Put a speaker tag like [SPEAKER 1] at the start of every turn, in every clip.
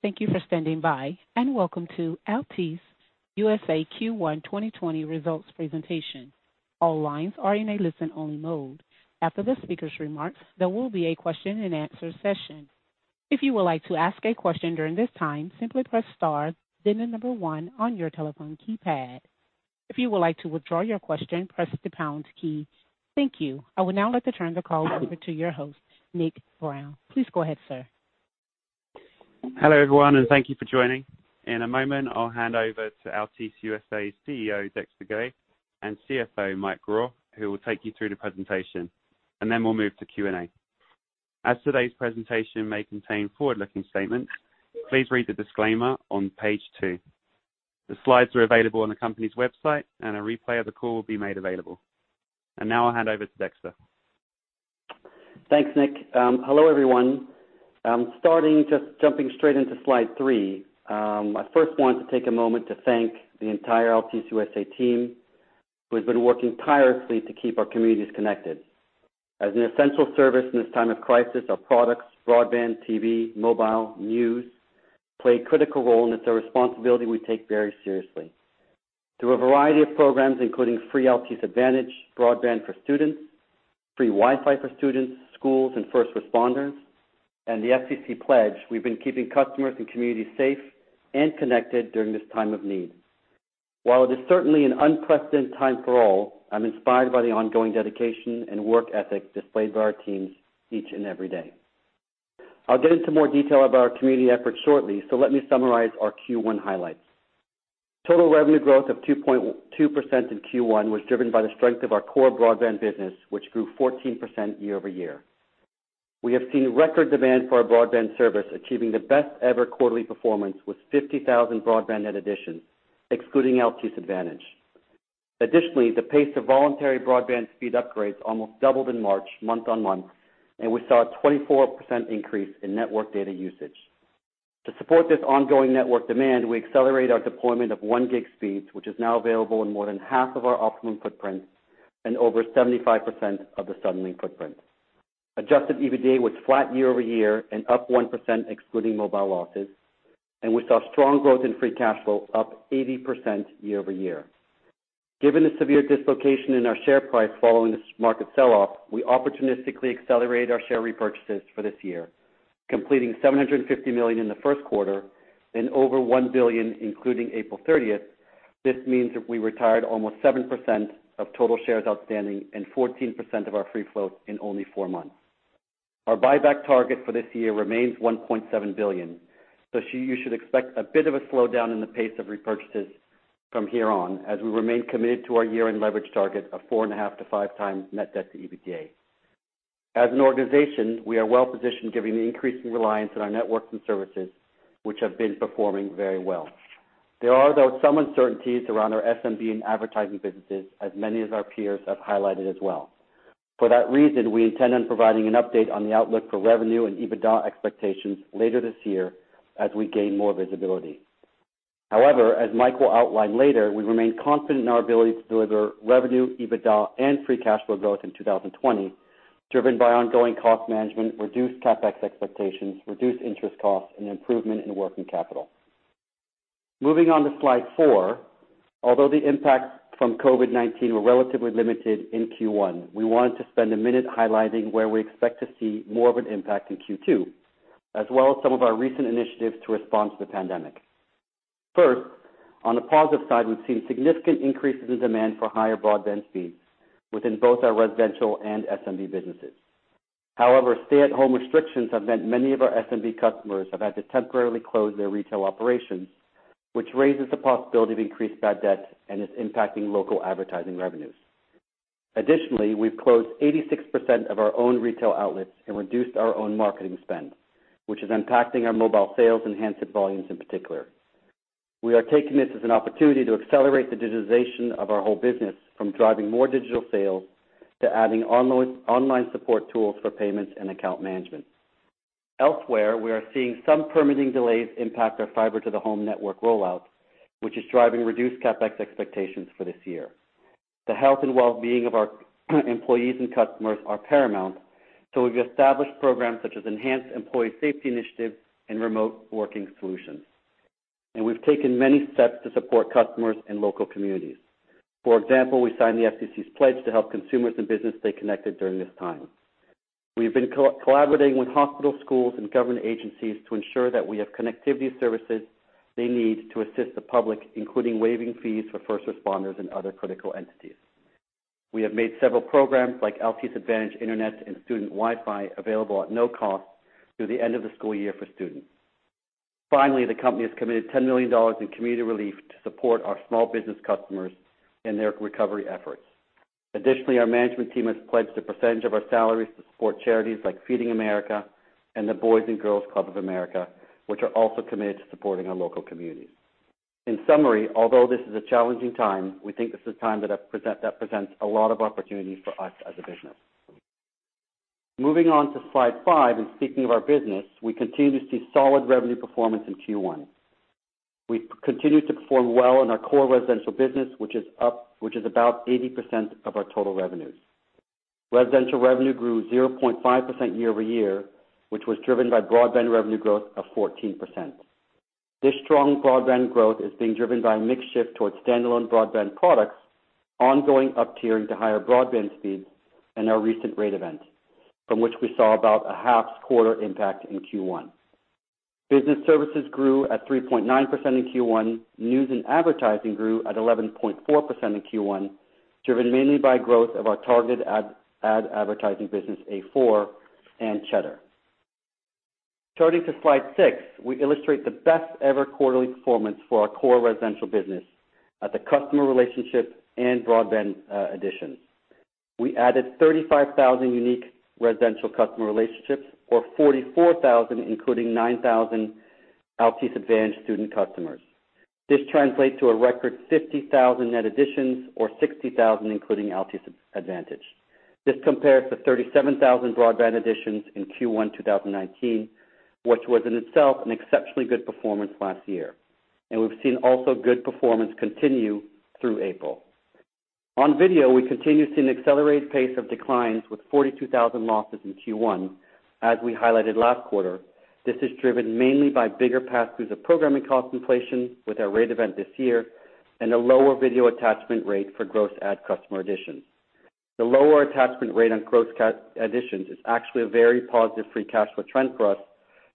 [SPEAKER 1] Thank you for standing by, and welcome to Altice USA Q1 2020 results presentation. All lines are in a listen-only mode. After the speaker's remarks, there will be a question-and-answer session. If you would like to ask a question during this time, simply press star, then the number one on your telephone keypad. If you would like to withdraw your question, press the pound key. Thank you. I would now like to turn the call over to your host, Nick Brown. Please go ahead, sir.
[SPEAKER 2] Hello, everyone, and thank you for joining. In a moment, I'll hand over to Altice USA's CEO, Dexter Goei, and CFO, Michael Grau, who will take you through the presentation, and then we'll move to Q&A. As today's presentation may contain forward-looking statements, please read the disclaimer on page two. The slides are available on the company's website, and a replay of the call will be made available, and now I'll hand over to Dexter.
[SPEAKER 3] Thanks, Nick. Hello, everyone. I'm starting just jumping straight into slide three. I first want to take a moment to thank the entire Altice USA team, who has been working tirelessly to keep our communities connected. As an essential service in this time of crisis, our products, broadband, TV, mobile, news, play a critical role, and it's a responsibility we take very seriously. Through a variety of programs, including free Altice Advantage, broadband for students, free Wi-Fi for students, schools, and first responders, and the FCC pledge, we've been keeping customers and communities safe and connected during this time of need. While it is certainly an unprecedented time for all, I'm inspired by the ongoing dedication and work ethic displayed by our teams each and every day. I'll get into more detail about our community efforts shortly, so let me summarize our Q1 highlights. Total revenue growth of 2.2% in Q1 was driven by the strength of our core broadband business, which grew 14% year-over-year. We have seen record demand for our broadband service, achieving the best-ever quarterly performance with 50,000 broadband net additions, excluding Altice Advantage. Additionally, the pace of voluntary broadband speed upgrades almost doubled in March, month on month, and we saw a 24% increase in network data usage. To support this ongoing network demand, we accelerated our deployment of 1 gig speeds, which is now available in more than half of our Optimum footprint and over 75% of the Suddenlink footprint. Adjusted EBITDA was flat year-over-year and up 1%, excluding mobile losses, and we saw strong growth in free cash flow, up 80% year-over-year. Given the severe dislocation in our share price following this market sell-off, we opportunistically accelerated our share repurchases for this year, completing $750 million in the first quarter and over $1 billion, including April 30th. This means that we retired almost 7% of total shares outstanding and 14% of our free float in only four months. Our buyback target for this year remains $1.7 billion, so you should expect a bit of a slowdown in the pace of repurchases from here on, as we remain committed to our year-end leverage target of 4.5x-5x net debt to EBITDA. As an organization, we are well-positioned, given the increasing reliance on our networks and services, which have been performing very well. There are, though, some uncertainties around our SMB and advertising businesses, as many of our peers have highlighted as well. For that reason, we intend on providing an update on the outlook for revenue and EBITDA expectations later this year as we gain more visibility. However, as Mike will outline later, we remain confident in our ability to deliver revenue, EBITDA, and free cash flow growth in 2020, driven by ongoing cost management, reduced CapEx expectations, reduced interest costs, and improvement in working capital. Moving on to slide four, although the impact from COVID-19 were relatively limited in Q1, we wanted to spend a minute highlighting where we expect to see more of an impact in Q2, as well as some of our recent initiatives to respond to the pandemic. First, on the positive side, we've seen significant increases in demand for higher broadband speeds within both our residential and SMB businesses. However, stay-at-home restrictions have meant many of our SMB customers have had to temporarily close their retail operations, which raises the possibility of increased bad debt and is impacting local advertising revenues. Additionally, we've closed 86% of our own retail outlets and reduced our own marketing spend, which is impacting our mobile sales and handset volumes in particular. We are taking this as an opportunity to accelerate the digitization of our whole business, from driving more digital sales to adding online support tools for payments and account management. Elsewhere, we are seeing some permitting delays impact our fiber to the home network rollout, which is driving reduced CapEx expectations for this year. The health and well-being of our employees and customers are paramount, so we've established programs such as enhanced employee safety initiatives and remote working solutions, and we've taken many steps to support customers and local communities. For example, we signed the FCC's pledge to help consumers and business stay connected during this time. We've been collaborating with hospitals, schools, and government agencies to ensure that we have connectivity services they need to assist the public, including waiving fees for first responders and other critical entities. We have made several programs, like Altice Advantage Internet and Student Wi-Fi, available at no cost through the end of the school year for students. Finally, the company has committed $10 million in community relief to support our small business customers and their recovery efforts. Additionally, our management team has pledged a percentage of our salaries to support charities like Feeding America and the Boys & Girls Clubs of America, which are also committed to supporting our local communities. In summary, although this is a challenging time, we think this is a time that presents a lot of opportunities for us as a business. Moving on to slide five, and speaking of our business, we continue to see solid revenue performance in Q1. We've continued to perform well in our core residential business, which is up, which is about 80% of our total revenues. Residential revenue grew 0.5% year-over-year, which was driven by broadband revenue growth of 14%. This strong broadband growth is being driven by a mix shift towards standalone broadband products, ongoing uptiering to higher broadband speeds, and our recent rate event, from which we saw about a half's quarter impact in Q1. Business services grew at 3.9% in Q1. News and advertising grew at 11.4% in Q1, driven mainly by growth of our targeted ad, ad advertising business, A4 and Cheddar. Turning to slide 6, we illustrate the best ever quarterly performance for our core residential business at the customer relationship and broadband additions. We added 35,000 unique residential customer relationships, or 44,000, including 9,000 Altice Advantage student customers. This translates to a record 50,000 net additions, or 60,000, including Altice Advantage. This compares to 37,000 broadband additions in Q1 2019, which was, in itself, an exceptionally good performance last year, and we've seen also good performance continue through April. On video, we continue to see an accelerated pace of declines with 42,000 losses in Q1. As we highlighted last quarter, this is driven mainly by bigger pass-throughs of programming cost inflation with our rate event this year, and a lower video attachment rate for gross add customer additions. The lower attachment rate on gross customer additions is actually a very positive free cash flow trend for us,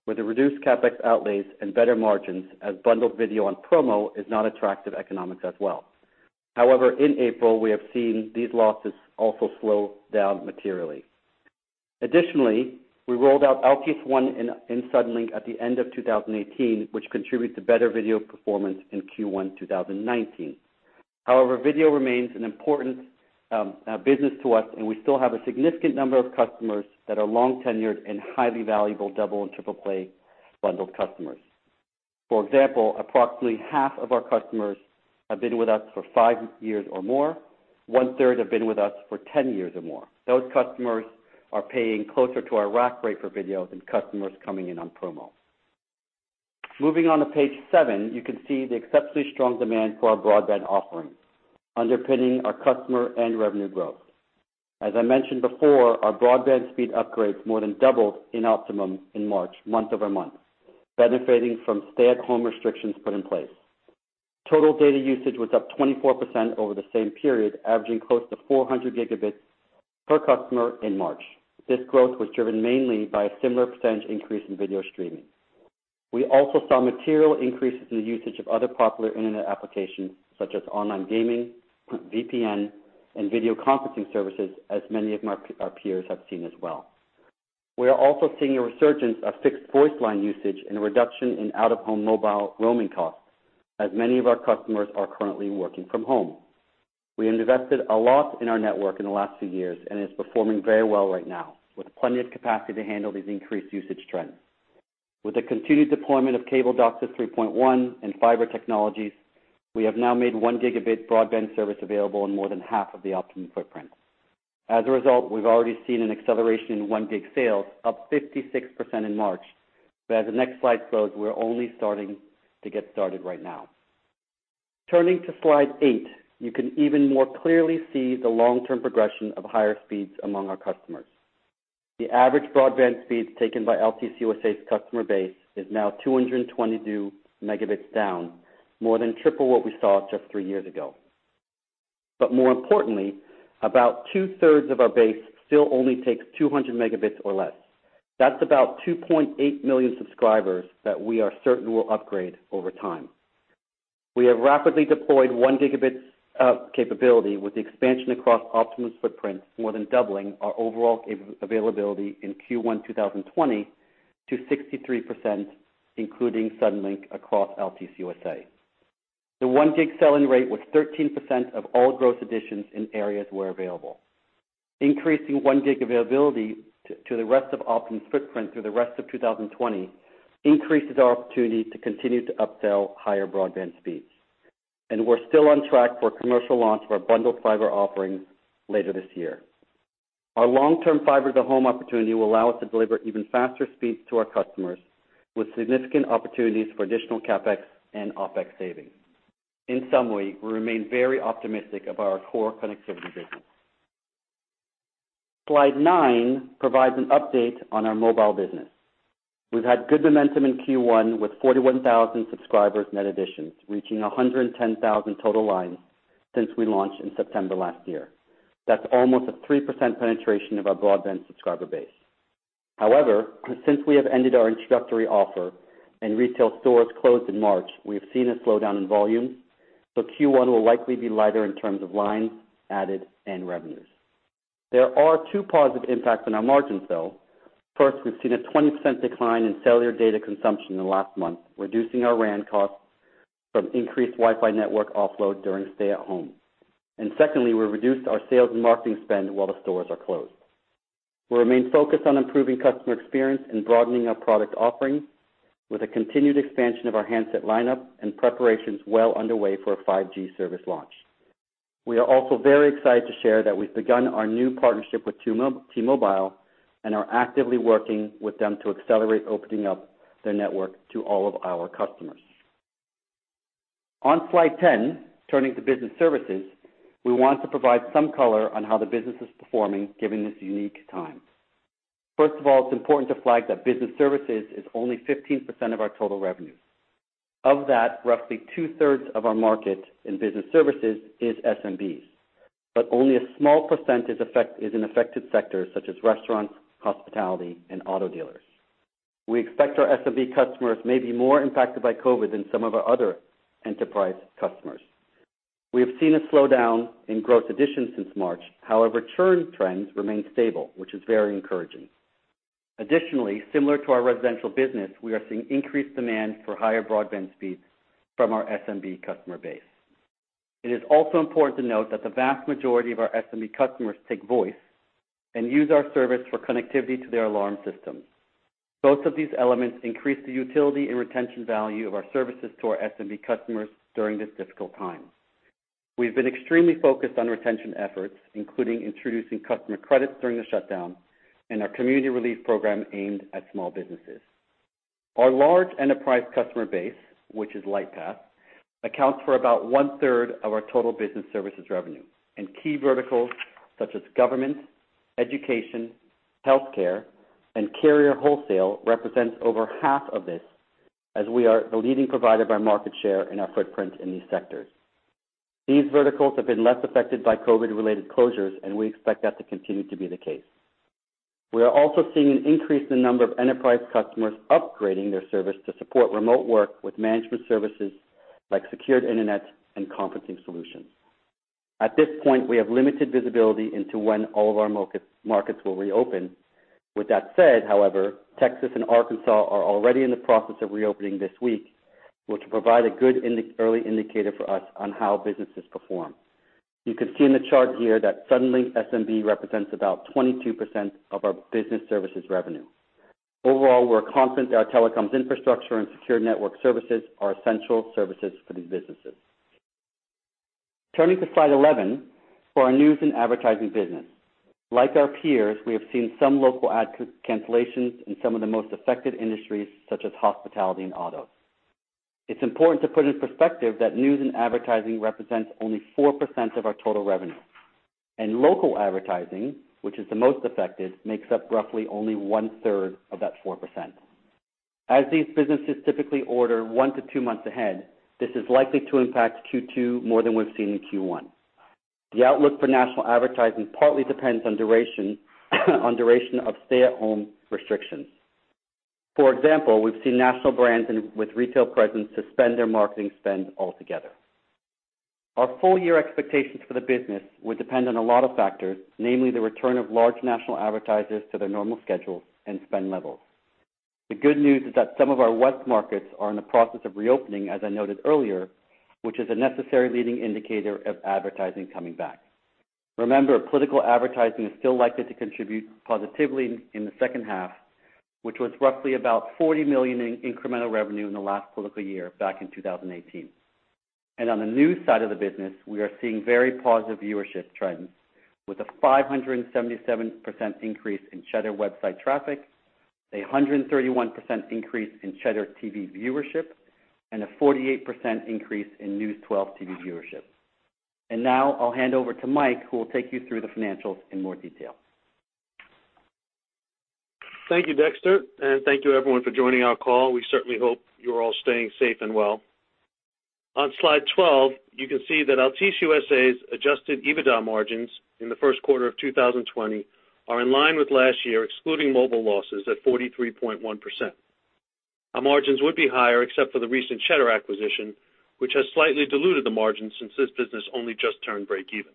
[SPEAKER 3] with the reduced CapEx outlays and better margins as bundled video on promo is not attractive economics as well. However, in April, we have seen these losses also slow down materially. Additionally, we rolled out Altice One on Suddenlink at the end of 2018, which contributes to better video performance in Q1 2019. However, video remains an important business to us, and we still have a significant number of customers that are long-tenured and highly valuable double and triple play bundled customers. For example, approximately half of our customers have been with us for five years or more. One third have been with us for 10 years or more. Those customers are paying closer to our rack rate for video than customers coming in on promo. Moving on to page seven, you can see the exceptionally strong demand for our broadband offerings, underpinning our customer and revenue growth. As I mentioned before, our broadband speed upgrades more than doubled in Optimum in March, month over month, benefiting from stay-at-home restrictions put in place. Total data usage was up 24% over the same period, averaging close to 400 gigabits per customer in March. This growth was driven mainly by a similar percentage increase in video streaming. We also saw material increases in the usage of other popular internet applications, such as online gaming, VPN, and video conferencing services, as many of our our peers have seen as well. We are also seeing a resurgence of fixed voice line usage and a reduction in out-of-home mobile roaming costs, as many of our customers are currently working from home. We have invested a lot in our network in the last few years, and it's performing very well right now, with plenty of capacity to handle these increased usage trends. With the continued deployment of cable DOCSIS 3.1 and fiber technologies, we have now made one gigabit broadband service available in more than half of the Optimum footprint. As a result, we've already seen an acceleration in one gig sales, up 56% in March. But as the next slide shows, we're only starting to get started right now. Turning to slide 8, you can even more clearly see the long-term progression of higher speeds among our customers. The average broadband speeds taken by Altice USA's customer base is now 222 megabits down, more than triple what we saw just 3 years ago. But more importantly, about two-thirds of our base still only takes 200 megabits or less. That's about 2.8 million subscribers that we are certain will upgrade over time. We have rapidly deployed one gigabit capability with the expansion across Optimum's footprint, more than doubling our overall gig availability in Q1 2020 to 63%, including Suddenlink across Altice USA. The one gig sell-in rate was 13% of all gross additions in areas where available. Increasing one gig availability to the rest of Optimum's footprint through the rest of 2020 increases our opportunity to continue to upsell higher broadband speeds, and we're still on track for a commercial launch of our bundled fiber offerings later this year. Our long-term fiber-to-the-home opportunity will allow us to deliver even faster speeds to our customers, with significant opportunities for additional CapEx and OpEx savings. In summary, we remain very optimistic about our core connectivity business. Slide nine provides an update on our mobile business. We've had good momentum in Q1, with 41,000 subscribers net additions, reaching 110,000 total lines since we launched in September last year. That's almost a 3% penetration of our broadband subscriber base. However, since we have ended our introductory offer and retail stores closed in March, we have seen a slowdown in volume, so Q1 will likely be lighter in terms of lines added and revenues. There are two positive impacts on our margins, though. First, we've seen a 20% decline in cellular data consumption in the last month, reducing our RAN costs from increased Wi-Fi network offload during stay at home. And secondly, we reduced our sales and marketing spend while the stores are closed. We remain focused on improving customer experience and broadening our product offerings with a continued expansion of our handset lineup and preparations well underway for a 5G service launch. We are also very excited to share that we've begun our new partnership with T-Mobile, and are actively working with them to accelerate opening up their network to all of our customers. On slide 10, turning to business services, we want to provide some color on how the business is performing, given this unique time. First of all, it's important to flag that business services is only 15% of our total revenue. Of that, roughly two-thirds of our market in business services is SMBs, but only a small percentage is an affected sector, such as restaurants, hospitality, and auto dealers. We expect our SMB customers may be more impacted by COVID than some of our other enterprise customers. We have seen a slowdown in gross additions since March. However, churn trends remain stable, which is very encouraging. Additionally, similar to our residential business, we are seeing increased demand for higher broadband speeds from our SMB customer base. It is also important to note that the vast majority of our SMB customers take voice and use our service for connectivity to their alarm systems. Both of these elements increase the utility and retention value of our services to our SMB customers during this difficult time. We've been extremely focused on retention efforts, including introducing customer credits during the shutdown and our community relief program aimed at small businesses. Our large enterprise customer base, which is Lightpath, accounts for about one-third of our total business services revenue, and key verticals such as government, education, healthcare, and carrier wholesale represents over half of this, as we are the leading provider by market share in our footprint in these sectors. These verticals have been less affected by COVID-related closures, and we expect that to continue to be the case. We are also seeing an increase in the number of enterprise customers upgrading their service to support remote work with management services, like secured internet and conferencing solutions. At this point, we have limited visibility into when all of our markets will reopen. With that said, however, Texas and Arkansas are already in the process of reopening this week, which will provide a good early indicator for us on how businesses perform. You can see in the chart here that Suddenlink SMB represents about 22% of our business services revenue. Overall, we're confident that our telecoms infrastructure and secure network services are essential services for these businesses. Turning to slide 11, for our news and advertising business. Like our peers, we have seen some local ad cancellations in some of the most affected industries, such as hospitality and auto. It's important to put into perspective that news and advertising represents only 4% of our total revenue, and local advertising, which is the most affected, makes up roughly only one-third of that 4%. As these businesses typically order one to two months ahead, this is likely to impact Q2 more than we've seen in Q1. The outlook for national advertising partly depends on duration, on duration of stay-at-home restrictions. For example, we've seen national brands and with retail presence suspend their marketing spend altogether. Our full year expectations for the business would depend on a lot of factors, namely, the return of large national advertisers to their normal schedules and spend levels. The good news is that some of our West markets are in the process of reopening, as I noted earlier, which is a necessary leading indicator of advertising coming back. Remember, political advertising is still likely to contribute positively in the second half, which was roughly about $40 million in incremental revenue in the last political year back in 2018. On the news side of the business, we are seeing very positive viewership trends, with a 577% increase in Cheddar website traffic, a 131% increase in Cheddar TV viewership, and a 48% increase in News 12 TV viewership. Now I'll hand over to Mike, who will take you through the financials in more detail.
[SPEAKER 4] Thank you, Dexter, and thank you everyone for joining our call. We certainly hope you're all staying safe and well. On slide 12, you can see that Altice USA's adjusted EBITDA margins in the first quarter of 2020 are in line with last year, excluding mobile losses at 43.1%. Our margins would be higher, except for the recent Cheddar acquisition, which has slightly diluted the margins since this business only just turned break even,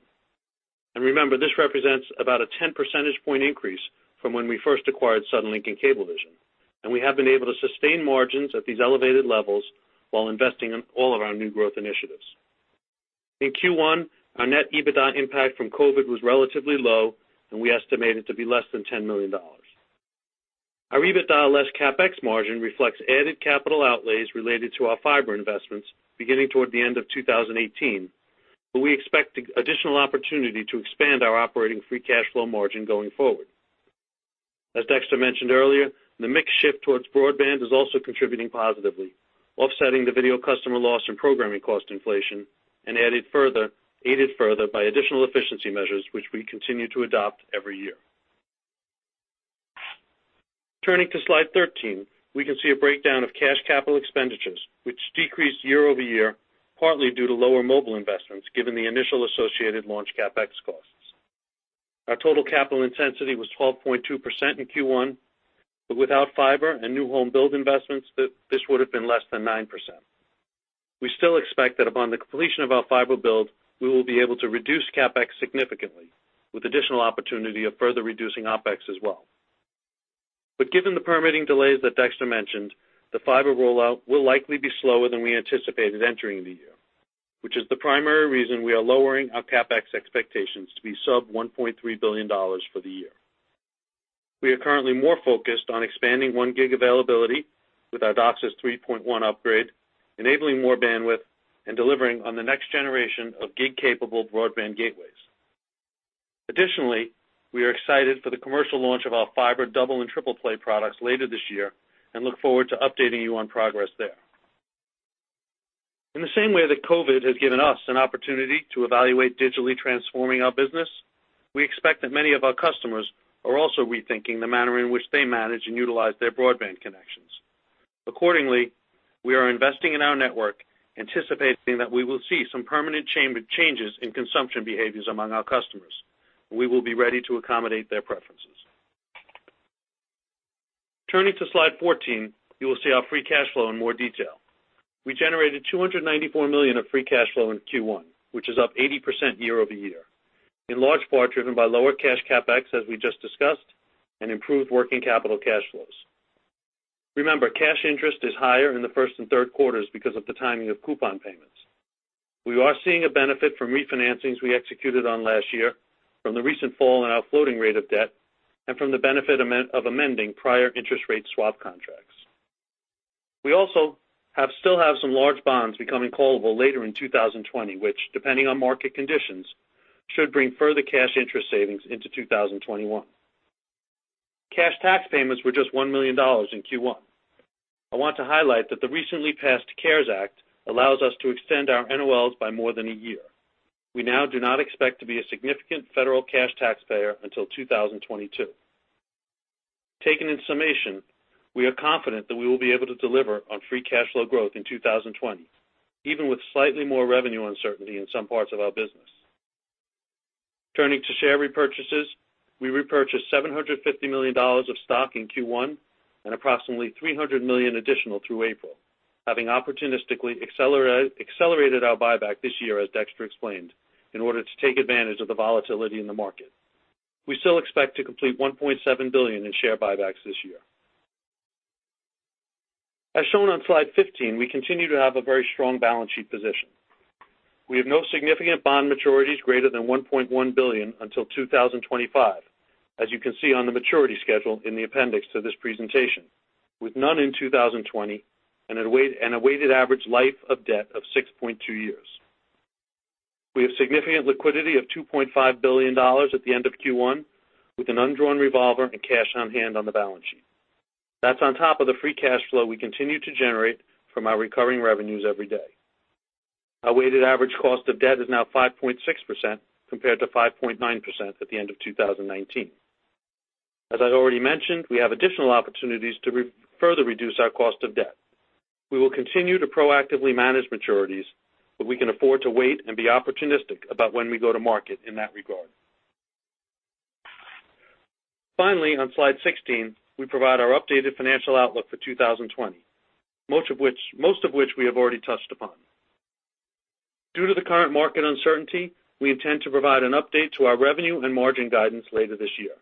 [SPEAKER 4] and remember, this represents about a 10 percentage point increase from when we first acquired Suddenlink and Cablevision, and we have been able to sustain margins at these elevated levels while investing in all of our new growth initiatives. In Q1, our net EBITDA impact from COVID was relatively low, and we estimate it to be less than $10 million. Our EBITDA less CapEx margin reflects added capital outlays related to our fiber investments beginning toward the end of 2018, but we expect additional opportunity to expand our operating free cash flow margin going forward. As Dexter mentioned earlier, the mix shift towards broadband is also contributing positively, offsetting the video customer loss and programming cost inflation, and aided further by additional efficiency measures, which we continue to adopt every year. Turning to slide 13, we can see a breakdown of cash capital expenditures, which decreased year-over-year, partly due to lower mobile investments, given the initial associated launch CapEx costs. Our total capital intensity was 12.2% in Q1, but without fiber and new home build investments, this would have been less than 9%. We still expect that upon the completion of our fiber build, we will be able to reduce CapEx significantly, with additional opportunity of further reducing OpEx as well. But given the permitting delays that Dexter mentioned, the fiber rollout will likely be slower than we anticipated entering the year, which is the primary reason we are lowering our CapEx expectations to be sub-$1.3 billion for the year. We are currently more focused on expanding one gig availability with our DOCSIS 3.1 upgrade, enabling more bandwidth and delivering on the next generation of gig-capable broadband gateways. Additionally, we are excited for the commercial launch of our fiber double and triple play products later this year, and look forward to updating you on progress there. In the same way that COVID has given us an opportunity to evaluate digitally transforming our business, we expect that many of our customers are also rethinking the manner in which they manage and utilize their broadband connections. Accordingly, we are investing in our network, anticipating that we will see some permanent changes in consumption behaviors among our customers. We will be ready to accommodate their preferences. Turning to slide 14, you will see our free cash flow in more detail. We generated $294 million of free cash flow in Q1, which is up 80% year-over-year, in large part driven by lower cash CapEx, as we just discussed, and improved working capital cash flows. Remember, cash interest is higher in the first and third quarters because of the timing of coupon payments. We are seeing a benefit from refinancings we executed on last year, from the recent fall in our floating rate of debt, and from the benefit of amending prior interest rate swap contracts. We also still have some large bonds becoming callable later in two thousand and twenty, which depending on market conditions should bring further cash interest savings into two thousand and twenty-one. Cash tax payments were just $1 million in Q1. I want to highlight that the recently passed CARES Act allows us to extend our NOLs by more than a year. We now do not expect to be a significant federal cash taxpayer until two thousand and twenty-two. Taken in summation, we are confident that we will be able to deliver on free cash flow growth in two thousand and twenty, even with slightly more revenue uncertainty in some parts of our business. Turning to share repurchases, we repurchased $750 million of stock in Q1 and approximately $300 million additional through April, having opportunistically accelerated our buyback this year, as Dexter explained, in order to take advantage of the volatility in the market. We still expect to complete $1.7 billion in share buybacks this year. As shown on slide 15, we continue to have a very strong balance sheet position. We have no significant bond maturities greater than $1.1 billion until 2025, as you can see on the maturity schedule in the appendix to this presentation, with none in 2020, and a weighted average life of debt of 6.2 years. We have significant liquidity of $2.5 billion at the end of Q1, with an undrawn revolver and cash on hand on the balance sheet. That's on top of the free cash flow we continue to generate from our recurring revenues every day. Our weighted average cost of debt is now 5.6%, compared to 5.9% at the end of 2019. As I've already mentioned, we have additional opportunities to further reduce our cost of debt. We will continue to proactively manage maturities, but we can afford to wait and be opportunistic about when we go to market in that regard. Finally, on slide 16, we provide our updated financial outlook for 2020, most of which, most of which we have already touched upon. Due to the current market uncertainty, we intend to provide an update to our revenue and margin guidance later this year.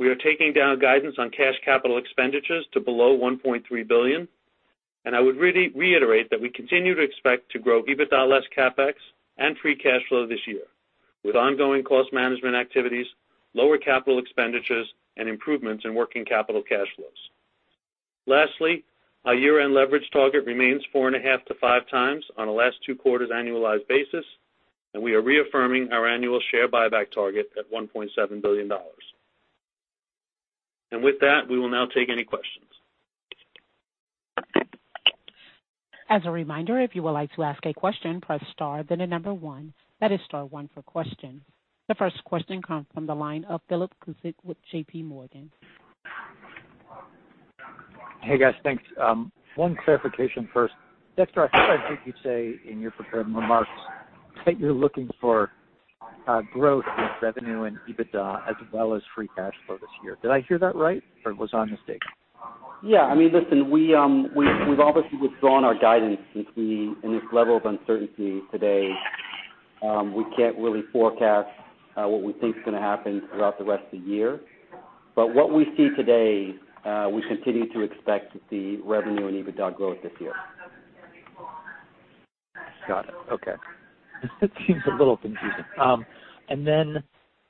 [SPEAKER 4] We are taking down guidance on cash capital expenditures to below $1.3 billion, and I would really reiterate that we continue to expect to grow EBITDA less CapEx and free cash flow this year, with ongoing cost management activities, lower capital expenditures, and improvements in working capital cash flows. Lastly, our year-end leverage target remains 4.5x-5x on a last two quarters annualized basis, and we are reaffirming our annual share buyback target at $1.7 billion. With that, we will now take any questions.
[SPEAKER 1] As a reminder, if you would like to ask a question, press star, then the number one. That is star one for questions. The first question comes from the line of Philip Cusick with JPMorgan.
[SPEAKER 5] Hey, guys, thanks. One clarification first. Dexter, I thought I heard you say in your prepared remarks that you're looking for growth in revenue and EBITDA, as well as free cash flow this year. Did I hear that right, or was I mistaken?
[SPEAKER 3] Yeah, I mean, listen, we've obviously withdrawn our guidance since, in this level of uncertainty today, we can't really forecast what we think is gonna happen throughout the rest of the year. But what we see today, we continue to expect to see revenue and EBITDA growth this year.
[SPEAKER 5] Got it. Okay. That seems a little confusing. And then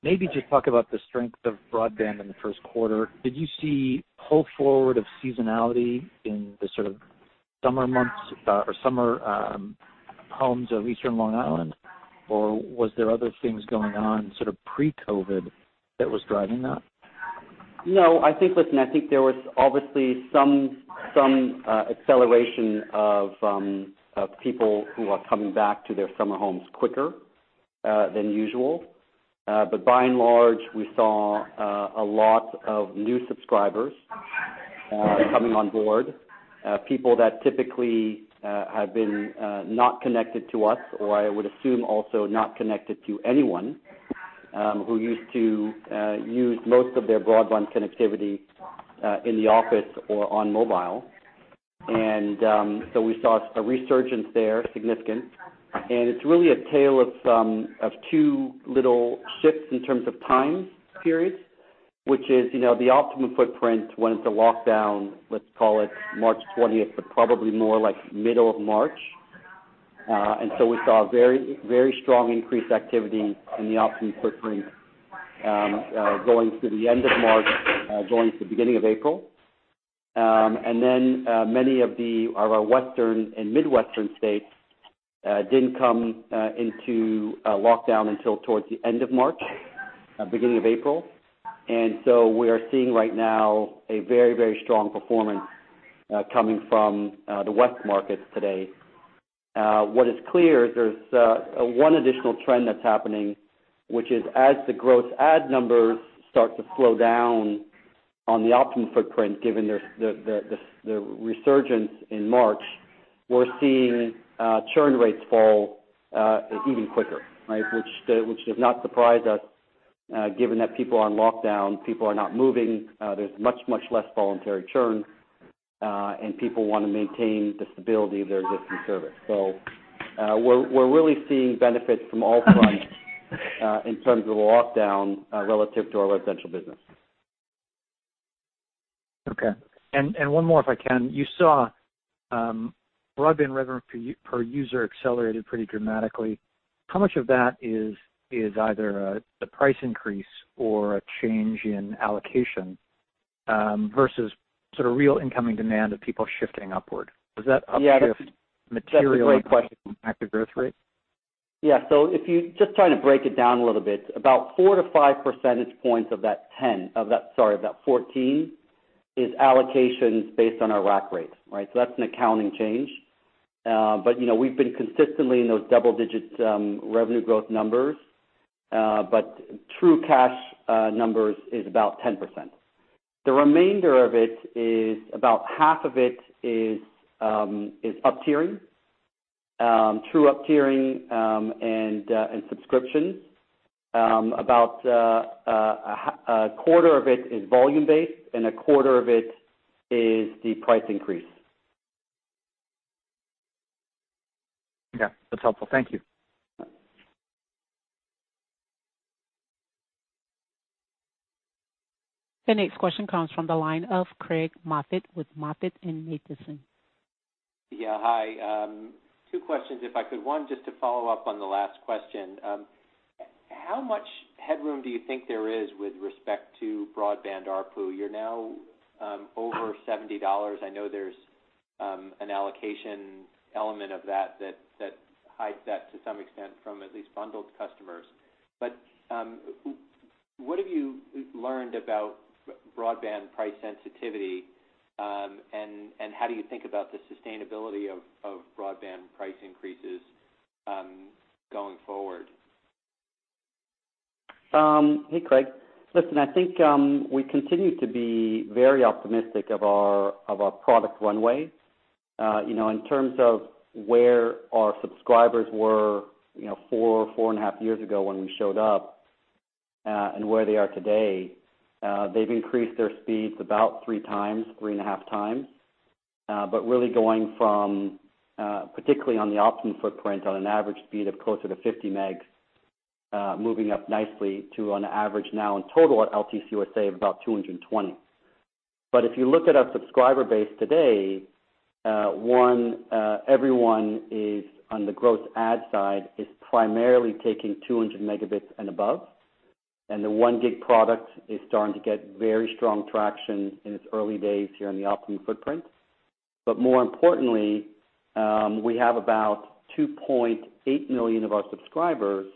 [SPEAKER 5] maybe just talk about the strength of broadband in the first quarter. Did you see pull forward of seasonality in the sort of summer months, or summer homes of Eastern Long Island? Or was there other things going on, sort of pre-COVID, that was driving that?
[SPEAKER 3] No, I think, listen, I think there was obviously some acceleration of people who are coming back to their summer homes quicker than usual. But by and large, we saw a lot of new subscribers coming on board. People that typically have been not connected to us, or I would assume also not connected to anyone who used to use most of their broadband connectivity in the office or on mobile. And so we saw a resurgence there, significant. And it's really a tale of two little shifts in terms of time periods, which is, you know, the Optimum footprint when it's a lockdown, let's call it March 20th, but probably more like middle of March.... and so we saw a very, very strong increased activity in the Optimum footprint, going through the end of March, going through the beginning of April, and then many of our western and midwestern states didn't come into lockdown until towards the end of March, beginning of April, and so we are seeing right now a very, very strong performance coming from the west markets today. What is clear is there's one additional trend that's happening, which is as the gross add numbers start to slow down on the Optimum footprint, given the resurgence in March, we're seeing churn rates fall even quicker, right? Which does not surprise us, given that people are on lockdown, people are not moving, there's much, much less voluntary churn, and people wanna maintain the stability of their existing service. So, we're really seeing benefits from all fronts, in terms of the lockdown, relative to our residential business.
[SPEAKER 5] Okay. And one more, if I can. You saw broadband revenue per user accelerated pretty dramatically. How much of that is either the price increase or a change in allocation versus sort of real incoming demand of people shifting upward? Does that upshift-
[SPEAKER 3] Yeah.
[SPEAKER 5] Materially-
[SPEAKER 3] That's a great question.
[SPEAKER 5] Impact the growth rate?
[SPEAKER 3] Yeah. So if you just try to break it down a little bit, about four to five percentage points of that ten, of that, sorry, of that 14, is allocations based on our rack rate, right? So that's an accounting change. But, you know, we've been consistently in those double digits, revenue growth numbers, but true cash, numbers is about 10%. The remainder of it is, about half of it is, is uptiering, true uptiering, and, and subscriptions. About, a quarter of it is volume-based, and a quarter of it is the price increase.
[SPEAKER 5] Yeah, that's helpful. Thank you.
[SPEAKER 1] The next question comes from the line of Craig Moffett, with MoffettNathanson.
[SPEAKER 6] Yeah, hi. Two questions, if I could. One, just to follow up on the last question. How much headroom do you think there is with respect to broadband ARPU? You're now over $70. I know there's an allocation element of that that hides that to some extent, from at least bundled customers. But what have you learned about broadband price sensitivity? And how do you think about the sustainability of broadband price increases going forward?
[SPEAKER 3] Hey, Craig. Listen, I think we continue to be very optimistic of our product runway. You know, in terms of where our subscribers were, you know, four and a half years ago when we showed up, and where they are today, they've increased their speeds about three times, three and a half times. But really going from, particularly on the Optimum footprint, on an average speed of closer to 50 megs, moving up nicely to on average now in total at LTCSA of about 220. But if you look at our subscriber base today, one, everyone on the gross add side is primarily taking 200 megabits and above, and the one gig product is starting to get very strong traction in its early days here on the Optimum footprint. But more importantly, we have about 2.8 million of our subscribers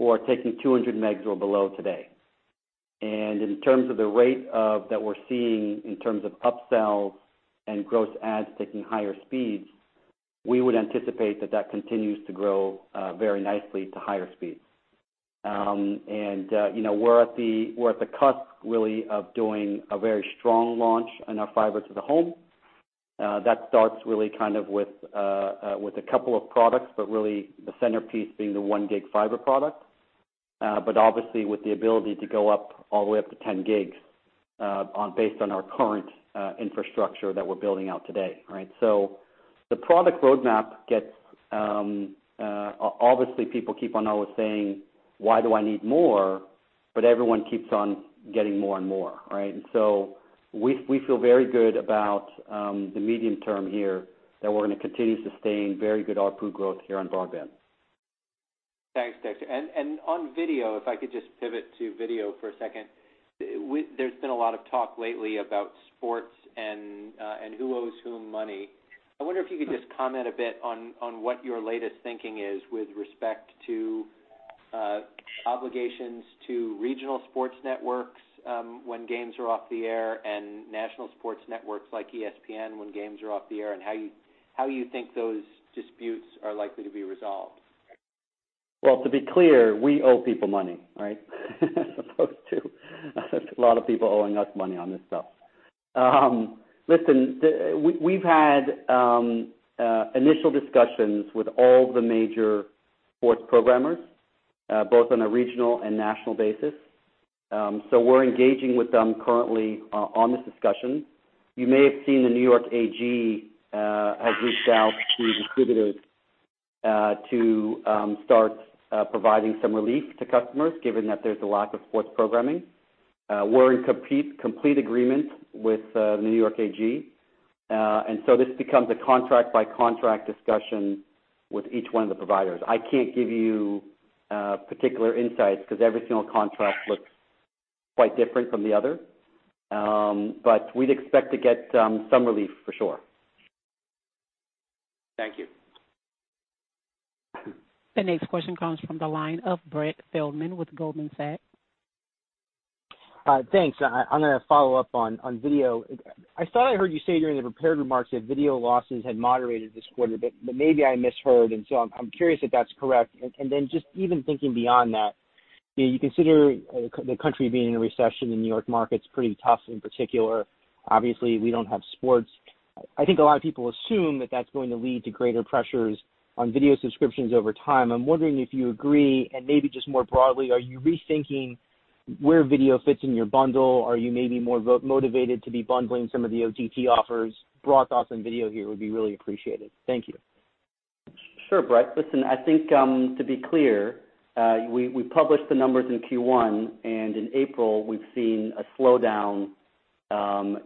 [SPEAKER 3] who are taking 200 megs or below today. And in terms of the rate that we're seeing in terms of upsells and gross adds taking higher speeds, we would anticipate that that continues to grow very nicely to higher speeds. And you know, we're at the cusp, really, of doing a very strong launch on our fiber to the home. That starts really kind of with a couple of products, but really the centerpiece being the one gig fiber product. But obviously with the ability to go up all the way up to 10 gigs based on our current infrastructure that we're building out today, right? So the product roadmap gets, obviously, people keep on always saying: Why do I need more? But everyone keeps on getting more and more, right? And so we feel very good about the medium term here, that we're gonna continue to sustain very good ARPU growth here on broadband.
[SPEAKER 6] Thanks, Dexter. And on video, if I could just pivot to video for a second. There's been a lot of talk lately about sports and who owes whom money. I wonder if you could just comment a bit on what your latest thinking is with respect to obligations to regional sports networks, when games are off the air, and national sports networks like ESPN, when games are off the air, and how you think those disputes are likely to be resolved?
[SPEAKER 3] To be clear, we owe people money, right? As opposed to a lot of people owing us money on this stuff. Listen, we've had initial discussions with all the major sports programmers, both on a regional and national basis. So we're engaging with them currently on this discussion. You may have seen the New York AG has reached out to distributors to start providing some relief to customers, given that there's a lack of sports programming. We're in complete agreement with the New York AG. And so this becomes a contract by contract discussion with each one of the providers. I can't give you particular insights, because every single contract looks quite different from the other. But we'd expect to get some relief for sure.
[SPEAKER 6] Thank you.
[SPEAKER 1] The next question comes from the line of Brett Feldman with Goldman Sachs.
[SPEAKER 7] Thanks. I'm gonna follow up on video. I thought I heard you say during the prepared remarks that video losses had moderated this quarter, but maybe I misheard, and so I'm curious if that's correct, and then just even thinking beyond that, you know, you consider the country being in a recession, the New York market's pretty tough in particular. Obviously, we don't have sports. I think a lot of people assume that that's going to lead to greater pressures on video subscriptions over time. I'm wondering if you agree, and maybe just more broadly, are you rethinking where video fits in your bundle? Are you maybe more motivated to be bundling some of the OTT offers? Broad thoughts on video here would be really appreciated. Thank you.
[SPEAKER 3] Sure, Brett. Listen, I think, to be clear, we published the numbers in Q1, and in April, we've seen a slowdown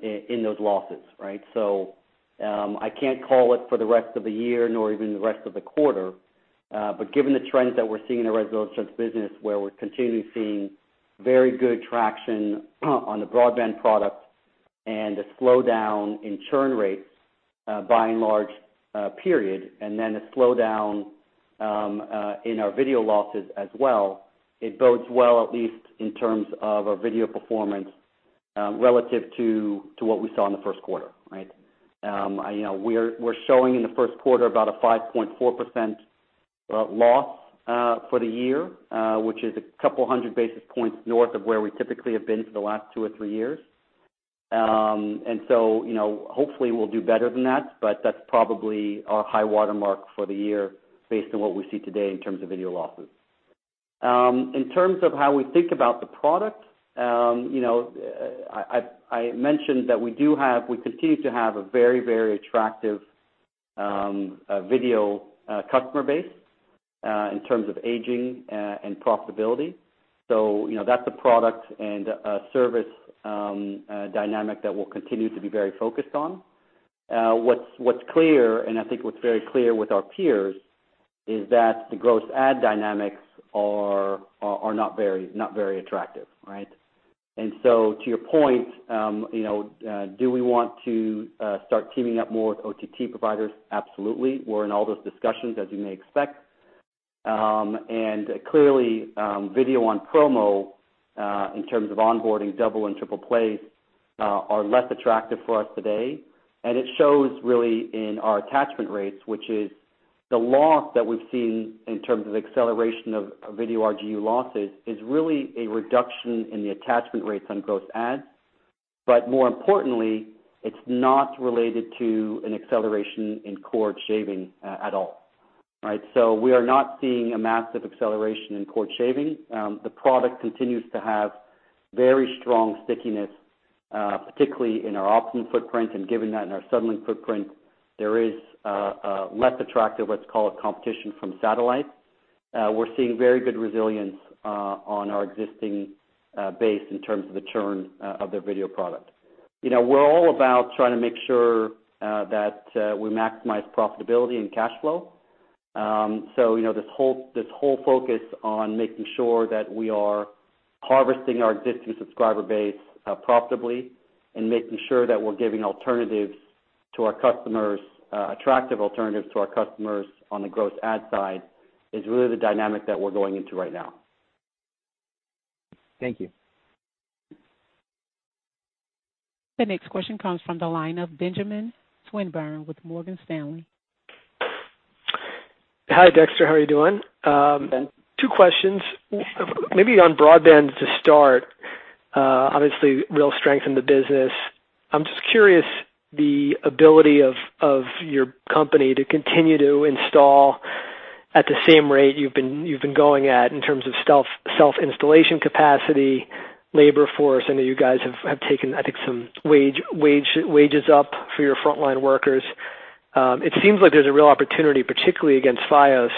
[SPEAKER 3] in those losses, right? So, I can't call it for the rest of the year, nor even the rest of the quarter. But given the trends that we're seeing in the residential business, where we're continuing seeing very good traction on the broadband product and a slowdown in churn rates, by and large, period, and then a slowdown in our video losses as well, it bodes well, at least in terms of our video performance, relative to what we saw in the first quarter, right? You know, we're showing in the first quarter about a 5.4% loss for the year, which is a couple hundred basis points north of where we typically have been for the last two or three years, and so, you know, hopefully we'll do better than that, but that's probably our high watermark for the year based on what we see today in terms of video losses. In terms of how we think about the product, you know, I mentioned that we continue to have a very, very attractive video customer base in terms of aging and profitability, so, you know, that's a product and a service dynamic that we'll continue to be very focused on. What's clear, and I think what's very clear with our peers, is that the gross add dynamics are not very attractive, right? And so to your point, you know, do we want to start teaming up more with OTT providers? Absolutely. We're in all those discussions, as you may expect. And clearly, video on promo in terms of onboarding double and triple plays are less attractive for us today. And it shows really in our attachment rates, which is the loss that we've seen in terms of acceleration of video RGU losses, is really a reduction in the attachment rates on gross adds. But more importantly, it's not related to an acceleration in cord shaving at all, right? So we are not seeing a massive acceleration in cord shaving. The product continues to have very strong stickiness, particularly in our Optimum footprint, and given that in our Suddenlink footprint, there is less attractive, let's call it, competition from satellite. We're seeing very good resilience on our existing base in terms of the churn of the video product. You know, we're all about trying to make sure that we maximize profitability and cash flow. So, you know, this whole focus on making sure that we are harvesting our existing subscriber base profitably and making sure that we're giving alternatives to our customers, attractive alternatives to our customers on the gross add side, is really the dynamic that we're going into right now.
[SPEAKER 7] Thank you.
[SPEAKER 1] The next question comes from the line of Benjamin Swinburne with Morgan Stanley.
[SPEAKER 8] Hi, Dexter. How are you doing?
[SPEAKER 3] Ben.
[SPEAKER 8] Two questions. Maybe on broadband to start, obviously real strength in the business. I'm just curious, the ability of your company to continue to install at the same rate you've been going at in terms of self-installation capacity, labor force. I know you guys have taken, I think, some wages up for your frontline workers. It seems like there's a real opportunity, particularly against Fios,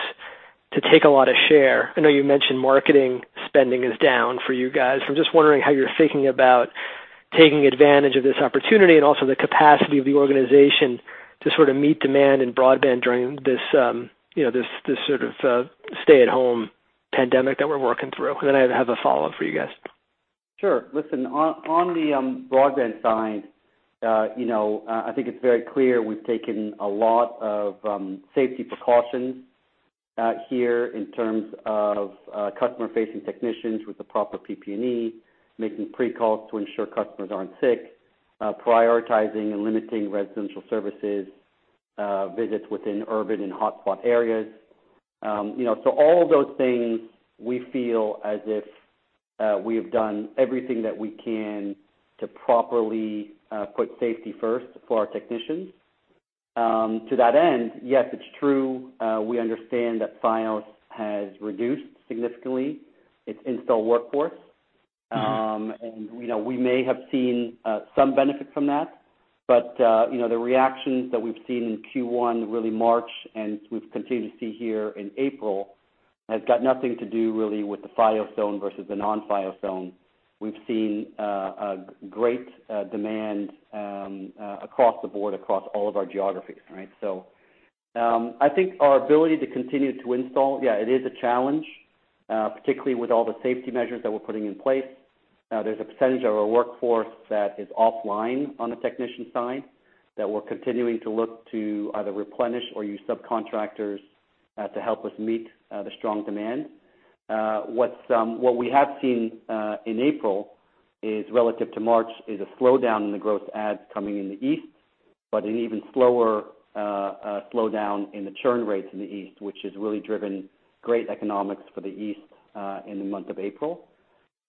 [SPEAKER 8] to take a lot of share. I know you mentioned marketing spending is down for you guys. I'm just wondering how you're thinking about taking advantage of this opportunity and also the capacity of the organization to sort of meet demand in broadband during this, you know, this sort of stay-at-home pandemic that we're working through. And then I have a follow-up for you guys.
[SPEAKER 3] Sure. Listen, on the broadband side, you know, I think it's very clear we've taken a lot of safety precautions here in terms of customer-facing technicians with the proper PPE, making pre-calls to ensure customers aren't sick, prioritizing and limiting residential services visits within urban and hotspot areas. You know, so all those things, we feel as if we have done everything that we can to properly put safety first for our technicians. To that end, yes, it's true, we understand that Fios has reduced significantly its install workforce. And, you know, we may have seen some benefit from that. But, you know, the reactions that we've seen in Q1, really March, and we've continued to see here in April, has got nothing to do really with the Fios footprint versus the non-Fios footprint. We've seen a great demand across the board, across all of our geographies, right? So, I think our ability to continue to install, yeah, it is a challenge, particularly with all the safety measures that we're putting in place. There's a percentage of our workforce that is offline on the technician side, that we're continuing to look to either replenish or use subcontractors to help us meet the strong demand. What we have seen in April is relative to March, is a slowdown in the gross adds coming in the east, but an even slower slowdown in the churn rates in the east, which has really driven great economics for the east in the month of April.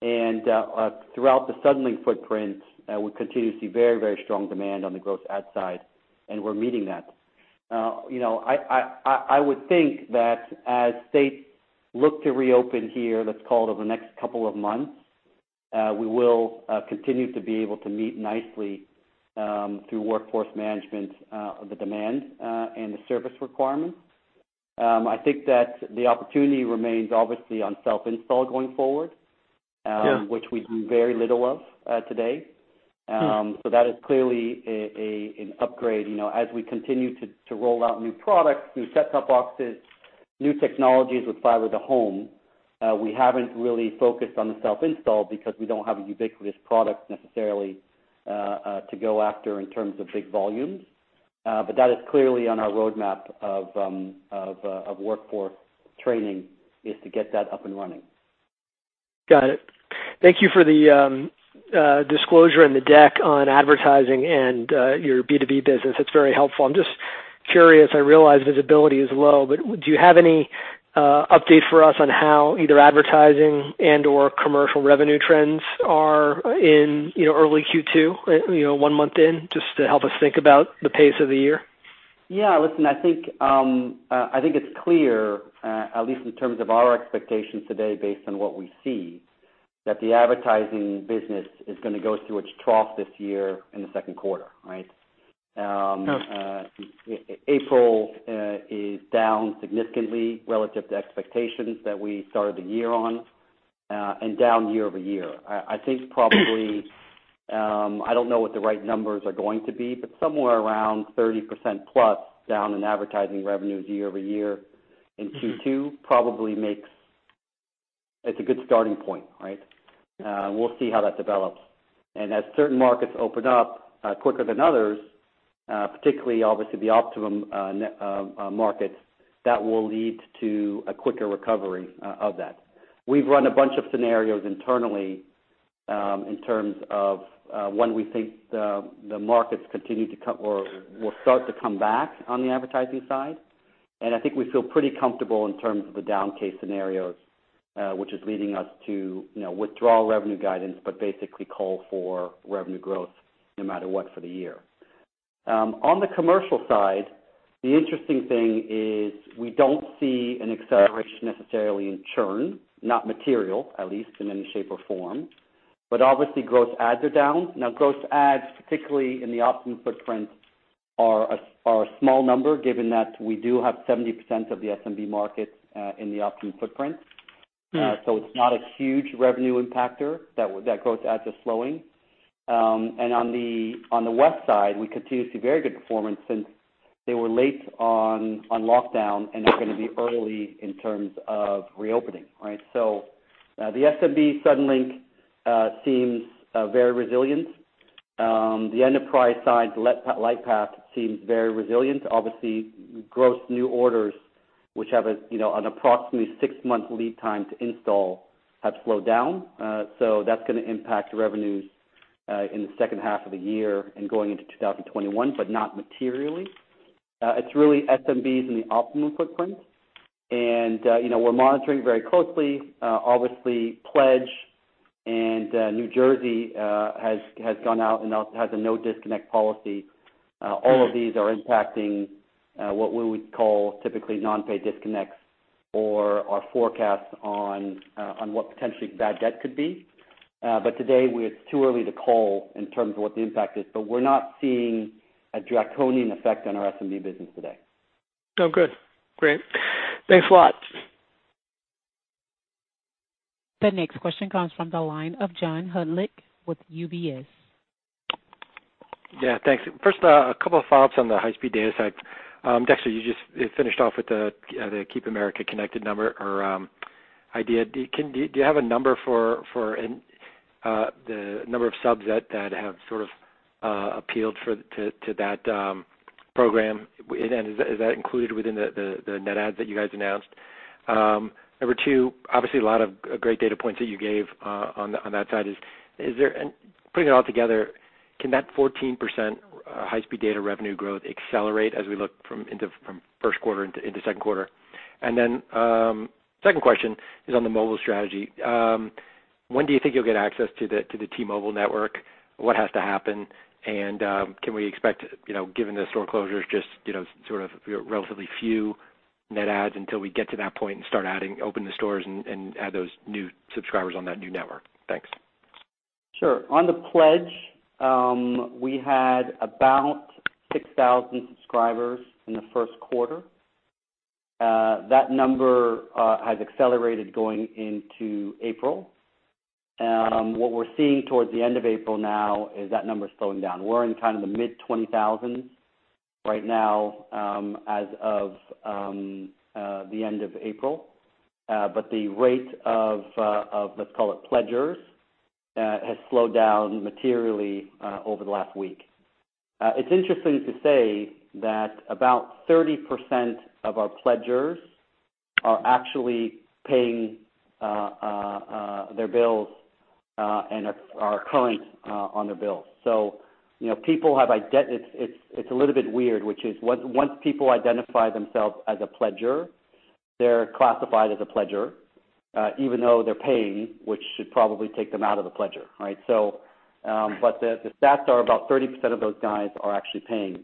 [SPEAKER 3] Throughout the Suddenlink footprint, we continue to see very, very strong demand on the gross add side, and we're meeting that. You know, I would think that as states look to reopen here, let's call it over the next couple of months, we will continue to be able to meet nicely through workforce management of the demand and the service requirements. I think that the opportunity remains obviously on self-install going forward-
[SPEAKER 8] Yeah...
[SPEAKER 3] which we do very little of, today.
[SPEAKER 8] Mm.
[SPEAKER 3] That is clearly an upgrade. You know, as we continue to roll out new products, new set-top boxes, new technologies with Fiber-to-the-Home, we haven't really focused on the self-install because we don't have a ubiquitous product necessarily to go after in terms of big volumes. But that is clearly on our roadmap of workforce training, is to get that up and running.
[SPEAKER 8] Got it. Thank you for the disclosure in the deck on advertising and your B2B business. It's very helpful. I'm just curious. I realize visibility is low, but do you have any update for us on how either advertising and/or commercial revenue trends are in, you know, early Q2, you know, one month in? Just to help us think about the pace of the year.
[SPEAKER 3] Yeah, listen, I think it's clear, at least in terms of our expectations today based on what we see, that the advertising business is gonna go through its trough this year in the second quarter, right?
[SPEAKER 8] Got it.
[SPEAKER 3] April is down significantly relative to expectations that we started the year on, and down year-over-year. I think probably, I don't know what the right numbers are going to be, but somewhere around 30% plus down in advertising revenues year-over-year in Q2-
[SPEAKER 8] Mm...
[SPEAKER 3] probably makes, it's a good starting point, right? We'll see how that develops. And as certain markets open up quicker than others, particularly obviously the Optimum markets, that will lead to a quicker recovery of that. We've run a bunch of scenarios internally in terms of when we think the markets continue to or will start to come back on the advertising side. And I think we feel pretty comfortable in terms of the down case scenarios, which is leading us to, you know, withdraw revenue guidance, but basically call for revenue growth no matter what for the year. On the commercial side, the interesting thing is we don't see an acceleration necessarily in churn, not material, at least in any shape or form. But obviously, gross adds are down. Now, gross adds, particularly in the Optimum footprint, are a small number given that we do have 70% of the SMB market in the Optimum footprint.
[SPEAKER 8] Mm.
[SPEAKER 3] So it's not a huge revenue impacter that that gross add is slowing. And on the west side, we continue to see very good performance since they were late on lockdown, and they're gonna be early in terms of reopening, right? So the SMB Suddenlink seems very resilient. The enterprise side, Lightpath, seems very resilient. Obviously, gross new orders, which have a, you know, an approximately six-month lead time to install, have slowed down. So that's gonna impact revenues in the second half of the year and going into 2021, but not materially. It's really SMBs in the Optimum footprint. And, you know, we're monitoring very closely, obviously Pledge and New Jersey has gone out and also has a no disconnect policy.
[SPEAKER 8] Mm.
[SPEAKER 3] All of these are impacting what we would call typically non-pay disconnects or our forecasts on what potentially bad debt could be. But today, it's too early to call in terms of what the impact is, but we're not seeing a draconian effect on our SMB business today.
[SPEAKER 8] Oh, good. Great. Thanks a lot.
[SPEAKER 1] The next question comes from the line of John Hodulik with UBS.
[SPEAKER 9] Yeah, thanks. First, a couple of thoughts on the high-speed data side. Dexter, you just finished off with the Keep Americans Connected number or idea. Do you have a number for the number of subs that have sort of appealed for to that program? And is that included within the net adds that you guys announced? Number two, obviously, a lot of great data points that you gave on that side. Is there... And putting it all together, can that 14% high-speed data revenue growth accelerate as we look from first quarter into second quarter? And then, second question is on the mobile strategy. When do you think you'll get access to the T-Mobile network? What has to happen? Can we expect, you know, given the store closures just, you know, sort of relatively few net adds until we get to that point and start adding, open the stores, and add those new subscribers on that new network? Thanks.
[SPEAKER 3] Sure. On the pledge, we had about six thousand subscribers in the first quarter. That number has accelerated going into April. What we're seeing towards the end of April now is that number is slowing down. We're in kind of the mid twenty thousands right now, as of the end of April. But the rate of, let's call it pledgers, has slowed down materially over the last week. It's interesting to say that about 30% of our pledgers are actually paying their bills and are current on their bills. So, you know, people have identified themselves as a pledger, they're classified as a pledger, even though they're paying, which should probably take them out of the pledger, right? So, but the stats are about 30% of those guys are actually paying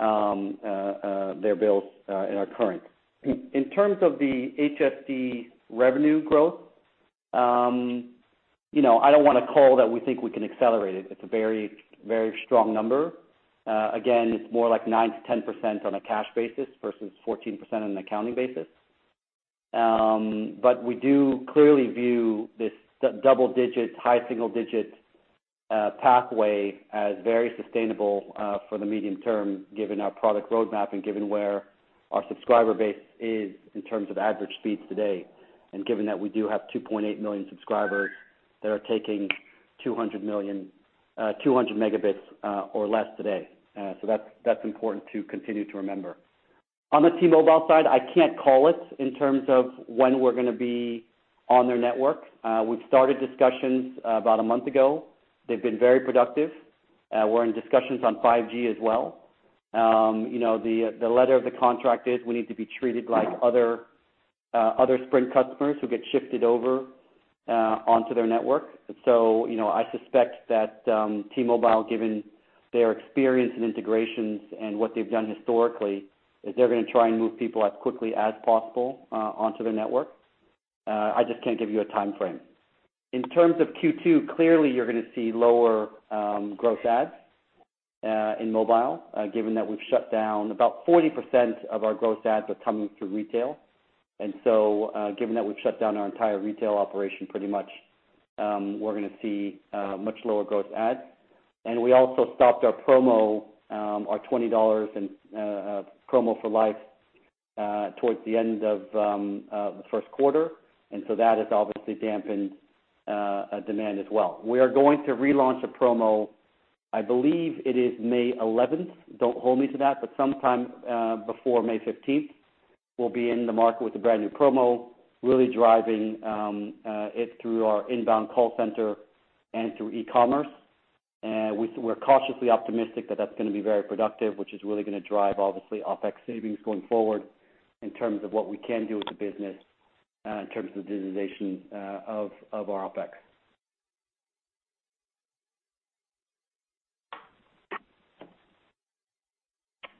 [SPEAKER 3] their bills and are current. In terms of the HSD revenue growth, you know, I don't want to call that we think we can accelerate it. It's a very, very strong number. Again, it's more like 9%-10% on a cash basis versus 14% on an accounting basis. But we do clearly view this double-digit, high single-digit pathway as very sustainable for the medium term, given our product roadmap and given where our subscriber base is in terms of average speeds today, and given that we do have 2.8 million subscribers that are taking 200 megabits or less today. So that's important to continue to remember. On the T-Mobile side, I can't call it in terms of when we're gonna be on their network. We've started discussions about a month ago. They've been very productive. We're in discussions on 5G as well. You know, the letter of the contract is we need to be treated like other Sprint customers who get shifted over onto their network. So, you know, I suspect that, T-Mobile, given their experience and integrations and what they've done historically, is they're gonna try and move people as quickly as possible, onto their network. I just can't give you a timeframe. In terms of Q2, clearly, you're gonna see lower, gross adds, in mobile, given that we've shut down about 40% of our gross adds are coming through retail. And so, given that we've shut down our entire retail operation pretty much, we're gonna see, much lower gross adds. And we also stopped our promo, our $20 and, promo for life, towards the end of, the first quarter, and so that has obviously dampened, a demand as well. We are going to relaunch a promo, I believe it is May eleventh. Don't hold me to that, but sometime before May 15th, we'll be in the market with a brand new promo, really driving it through our inbound call center and through e-commerce. We're cautiously optimistic that that's gonna be very productive, which is really gonna drive, obviously, OpEx savings going forward in terms of what we can do with the business, in terms of digitization of our OpEx.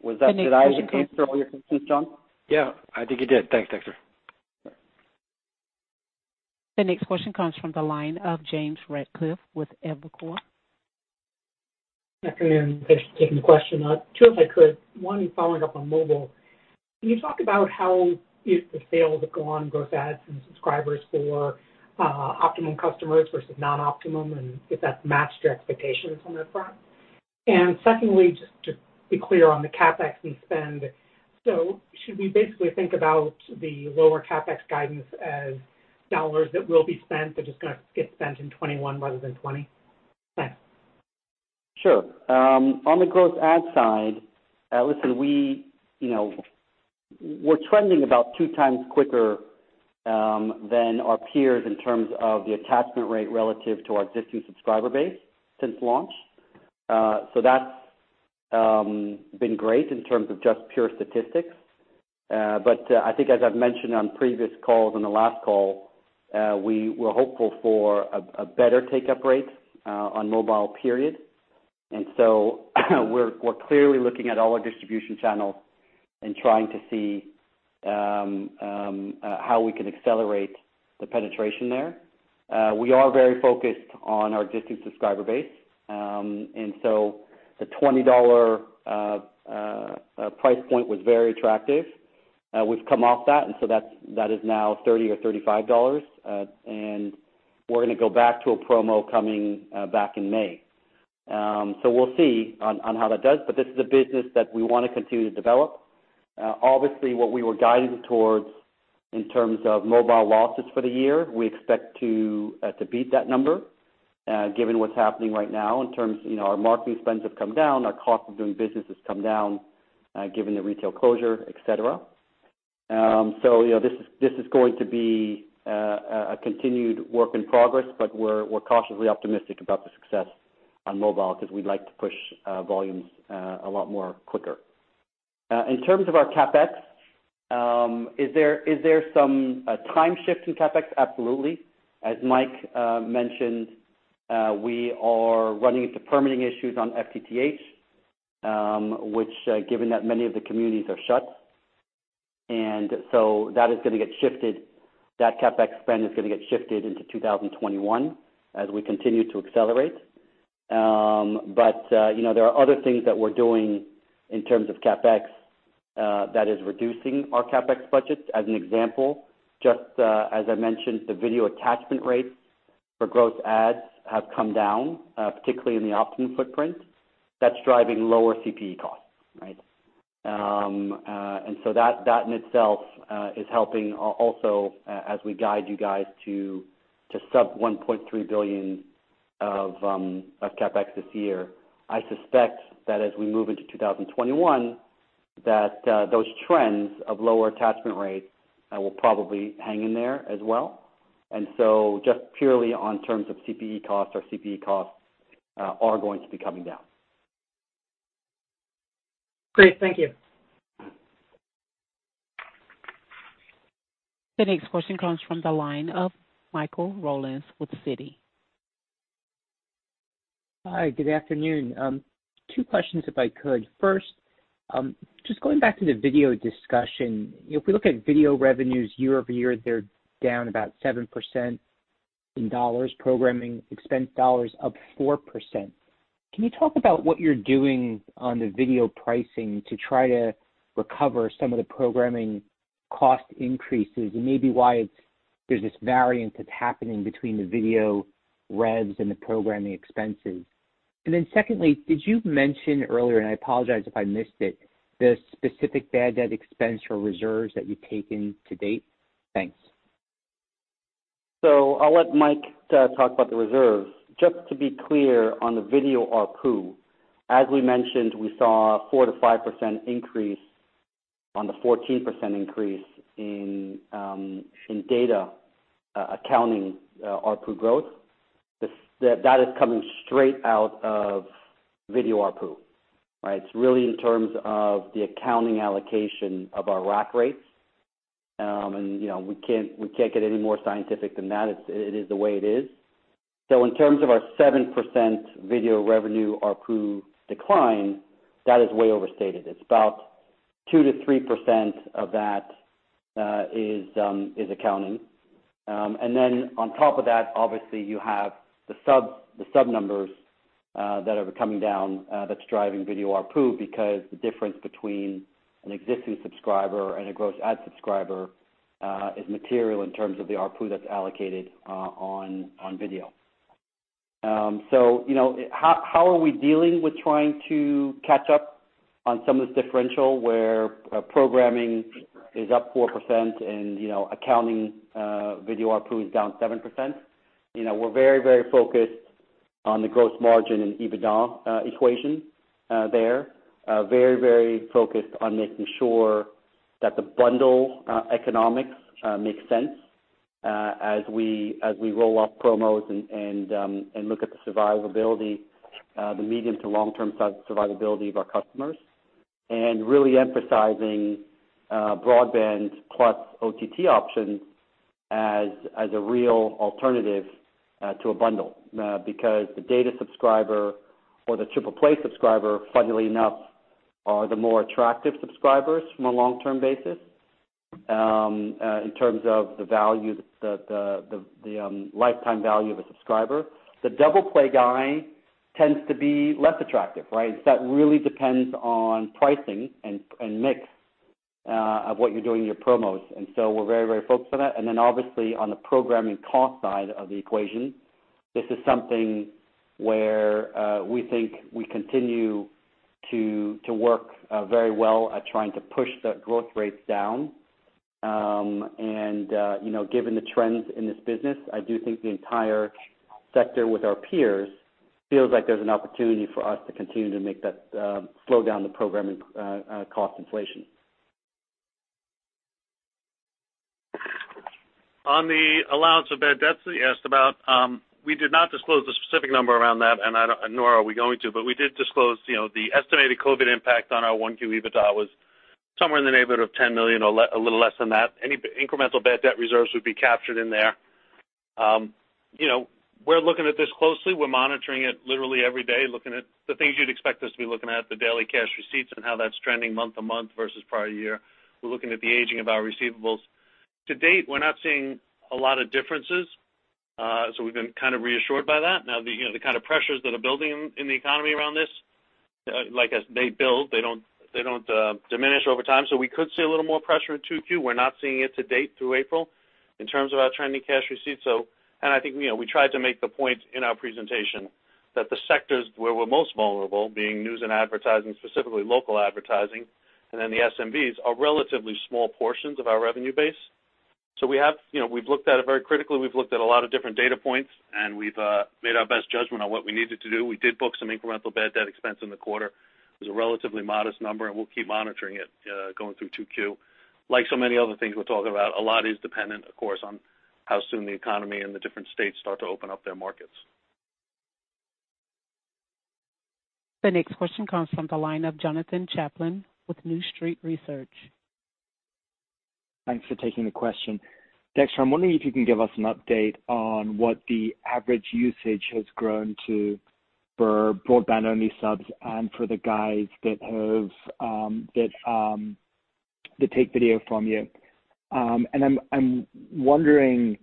[SPEAKER 3] Was that, did I answer all your questions, John?
[SPEAKER 9] Yeah, I think you did. Thanks, Dexter.
[SPEAKER 1] The next question comes from the line of James Ratcliffe with Evercore.
[SPEAKER 10] Good afternoon. Thanks for taking the question. Two, if I could. One, following up on mobile. Can you talk about how the sales have gone on gross adds and subscribers for Optimum customers versus non-Optimum, and if that's matched your expectations on their part? And secondly, just to be clear on the CapEx and spend, so should we basically think about the lower CapEx guidance as dollars that will be spent, they're just gonna get spent in 2021 rather than 2020? Thanks.
[SPEAKER 3] Sure. On the gross adds side, listen, we, you know, we're trending about two times quicker than our peers in terms of the attachment rate relative to our existing subscriber base since launch. So that's been great in terms of just pure statistics. But I think as I've mentioned on previous calls, on the last call, we were hopeful for a better take-up rate on mobile period. And so we're clearly looking at all our distribution channels and trying to see how we can accelerate the penetration there. We are very focused on our existing subscriber base. And so the $20 price point was very attractive. We've come off that, and so that is now $30 or $35. And we're gonna go back to a promo coming back in May. So we'll see on how that does, but this is a business that we want to continue to develop. Obviously, what we were guiding towards in terms of mobile losses for the year, we expect to beat that number, given what's happening right now in terms, you know, our marketing spends have come down, our cost of doing business has come down, given the retail closure, et cetera. So, you know, this is going to be a continued work in progress, but we're cautiously optimistic about the success on mobile because we'd like to push volumes a lot more quicker. In terms of our CapEx, is there some time shift in CapEx? Absolutely. As Mike mentioned-... We are running into permitting issues on FTTH, which, given that many of the communities are shut, and so that is gonna get shifted, that CapEx spend is gonna get shifted into two thousand and twenty-one as we continue to accelerate, but you know, there are other things that we're doing in terms of CapEx, that is reducing our CapEx budgets. As an example, just, as I mentioned, the video attachment rates for gross adds have come down, particularly in the Optimum footprint. That's driving lower CPE costs, right? And so that, that in itself, is helping also as we guide you guys to sub $1.3 billion of CapEx this year. I suspect that as we move into two thousand and twenty-one, that, those trends of lower attachment rates, will probably hang in there as well. And so just purely on terms of CPE costs, our CPE costs, are going to be coming down.
[SPEAKER 10] Great. Thank you.
[SPEAKER 1] The next question comes from the line of Michael Rollins with Citi.
[SPEAKER 11] Hi, good afternoon. Two questions, if I could. First, just going back to the video discussion. If we look at video revenues year-over-year, they're down about 7% in dollars, programming expense dollars up 4%. Can you talk about what you're doing on the video pricing to try to recover some of the programming cost increases, and maybe why it's, there's this variance that's happening between the video revs and the programming expenses? And then secondly, did you mention earlier, and I apologize if I missed it, the specific bad debt expense or reserves that you've taken to date? Thanks.
[SPEAKER 3] So I'll let Mike talk about the reserves. Just to be clear on the video ARPU, as we mentioned, we saw a 4%-5% increase on the 14% increase in data accounting ARPU growth. That is coming straight out of video ARPU, right? It's really in terms of the accounting allocation of our rack rates. And, you know, we can't, we can't get any more scientific than that. It's, it is the way it is. So in terms of our 7% video revenue ARPU decline, that is way overstated. It's about 2%-3% of that is accounting. And then on top of that, obviously, you have the sub numbers that are coming down. That's driving video ARPU, because the difference between an existing subscriber and a gross add subscriber is material in terms of the ARPU that's allocated on video. So, you know, how are we dealing with trying to catch up on some of this differential where programming is up 4% and, you know, accounting video ARPU is down 7%? You know, we're very, very focused on the gross margin and EBITDA equation there. Very, very focused on making sure that the bundle economics make sense as we roll off promos and look at the survivability, the medium to long-term survivability of our customers, and really emphasizing broadband plus OTT options as a real alternative to a bundle. Because the data subscriber or the triple play subscriber, funnily enough, are the more attractive subscribers from a long-term basis, in terms of the value, the lifetime value of a subscriber. The double play guy tends to be less attractive, right? That really depends on pricing and mix of what you're doing in your promos. And so we're very, very focused on that. And then obviously, on the programming cost side of the equation, this is something where we think we continue to work very well at trying to push the growth rates down. And you know, given the trends in this business, I do think the entire sector with our peers feels like there's an opportunity for us to continue to make that slow down the programming cost inflation.
[SPEAKER 4] On the allowance of bad debts that you asked about, we did not disclose the specific number around that, and I don't, nor are we going to, but we did disclose, you know, the estimated COVID impact on our 1Q EBITDA was somewhere in the neighborhood of 10 million or a little less than that. Any incremental bad debt reserves would be captured in there. You know, we're looking at this closely. We're monitoring it literally every day, looking at the things you'd expect us to be looking at, the daily cash receipts and how that's trending month to month versus prior year. We're looking at the aging of our receivables. To date, we're not seeing a lot of differences, so we've been kind of reassured by that. Now, you know, the kind of pressures that are building in the economy around this, like as they build, they don't diminish over time. So we could see a little more pressure in 2Q. We're not seeing it to date through April in terms of our trending cash receipts. So and I think, you know, we tried to make the point in our presentation that the sectors where we're most vulnerable, being news and advertising, specifically local advertising, and then the SMBs, are relatively small portions of our revenue base. So we have, you know, we've looked at it very critically. We've looked at a lot of different data points, and we've made our best judgment on what we needed to do. We did book some incremental bad debt expense in the quarter. It was a relatively modest number, and we'll keep monitoring it, going through 2Q. Like so many other things we're talking about, a lot is dependent, of course, on how soon the economy and the different states start to open up their markets.
[SPEAKER 1] The next question comes from the line of Jonathan Chaplin with New Street Research.
[SPEAKER 12] Thanks for taking the question. Dexter, I'm wondering if you can give us an update on what the average usage has grown to for broadband-only subs and for the guys that take video from you, and I'm wondering,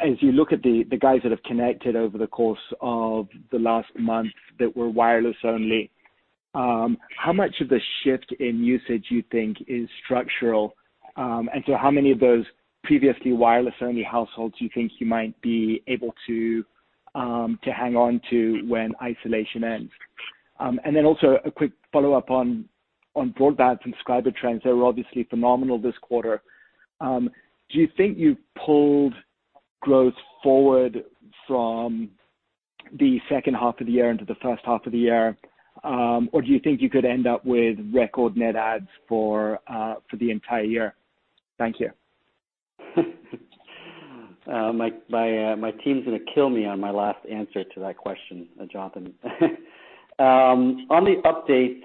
[SPEAKER 12] as you look at the guys that have connected over the course of the last month that were wireless only, how much of the shift in usage you think is structural, and so how many of those previously wireless-only households you think you might be able to hang on to when isolation ends, and then also a quick follow-up on broadband subscriber trends. They were obviously phenomenal this quarter. Do you think you pulled growth forward from the second half of the year into the first half of the year? Or do you think you could end up with record net adds for the entire year? Thank you.
[SPEAKER 3] My team's gonna kill me on my last answer to that question, Jonathan. On the update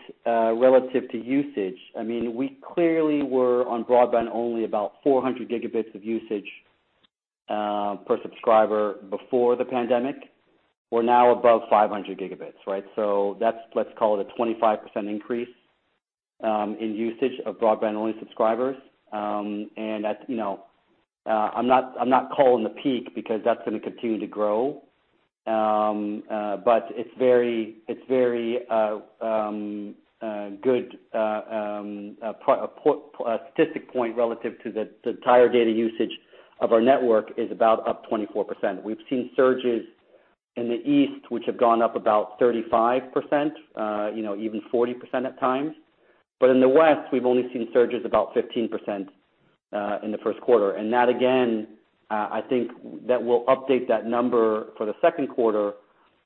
[SPEAKER 3] relative to usage, I mean, we clearly were on broadband only about 400 gigabits of usage per subscriber before the pandemic. We're now above 500 gigabits, right? So that's. Let's call it a 25% increase in usage of broadband-only subscribers. And that's, you know, I'm not calling the peak because that's gonna continue to grow. But it's very good positive statistic point relative to the entire data usage of our network is about up 24%. We've seen surges in the East, which have gone up about 35%, you know, even 40% at times. But in the West, we've only seen surges about 15% in the first quarter. And that, again, I think that we'll update that number for the second quarter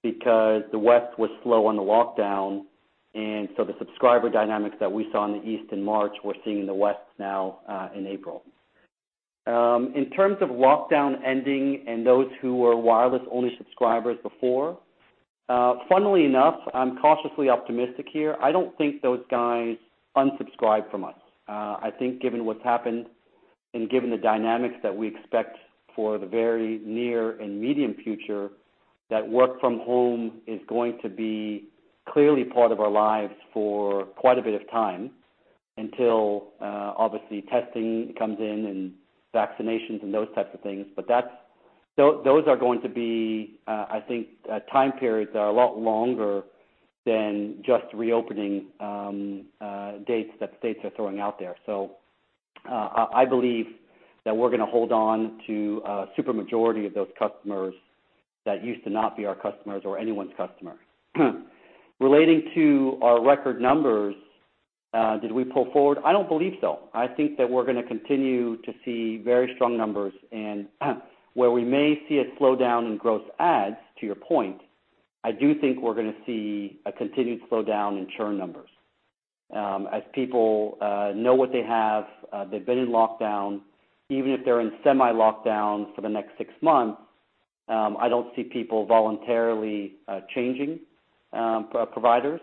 [SPEAKER 3] because the West was slow on the lockdown, and so the subscriber dynamics that we saw in the East in March, we're seeing in the West now in April. In terms of lockdown ending and those who were wireless-only subscribers before, funnily enough, I'm cautiously optimistic here. I don't think those guys unsubscribe from us. I think given what's happened and given the dynamics that we expect for the very near and medium future, that work from home is going to be clearly part of our lives for quite a bit of time, until obviously testing comes in and vaccinations and those types of things. But that's those are going to be, I think, time periods a lot longer than just reopening dates that states are throwing out there. So, I believe that we're gonna hold on to a super majority of those customers that used to not be our customers or anyone's customer. Relating to our record numbers, did we pull forward? I don't believe so. I think that we're gonna continue to see very strong numbers. And where we may see a slowdown in gross adds, to your point, I do think we're gonna see a continued slowdown in churn numbers. As people know what they have, they've been in lockdown, even if they're in semi-lockdown for the next six months, I don't see people voluntarily changing providers,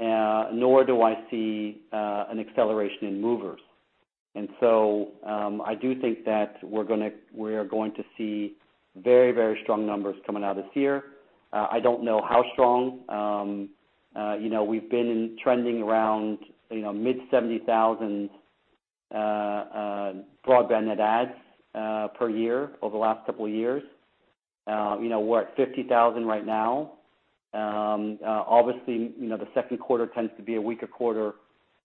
[SPEAKER 3] nor do I see an acceleration in movers. And so, I do think that we are going to see very, very strong numbers coming out this year. I don't know how strong. You know, we've been trending around, you know, mid 70,000 broadband net adds per year over the last couple of years. You know, we're at 50,000 right now. Obviously, you know, the second quarter tends to be a weaker quarter,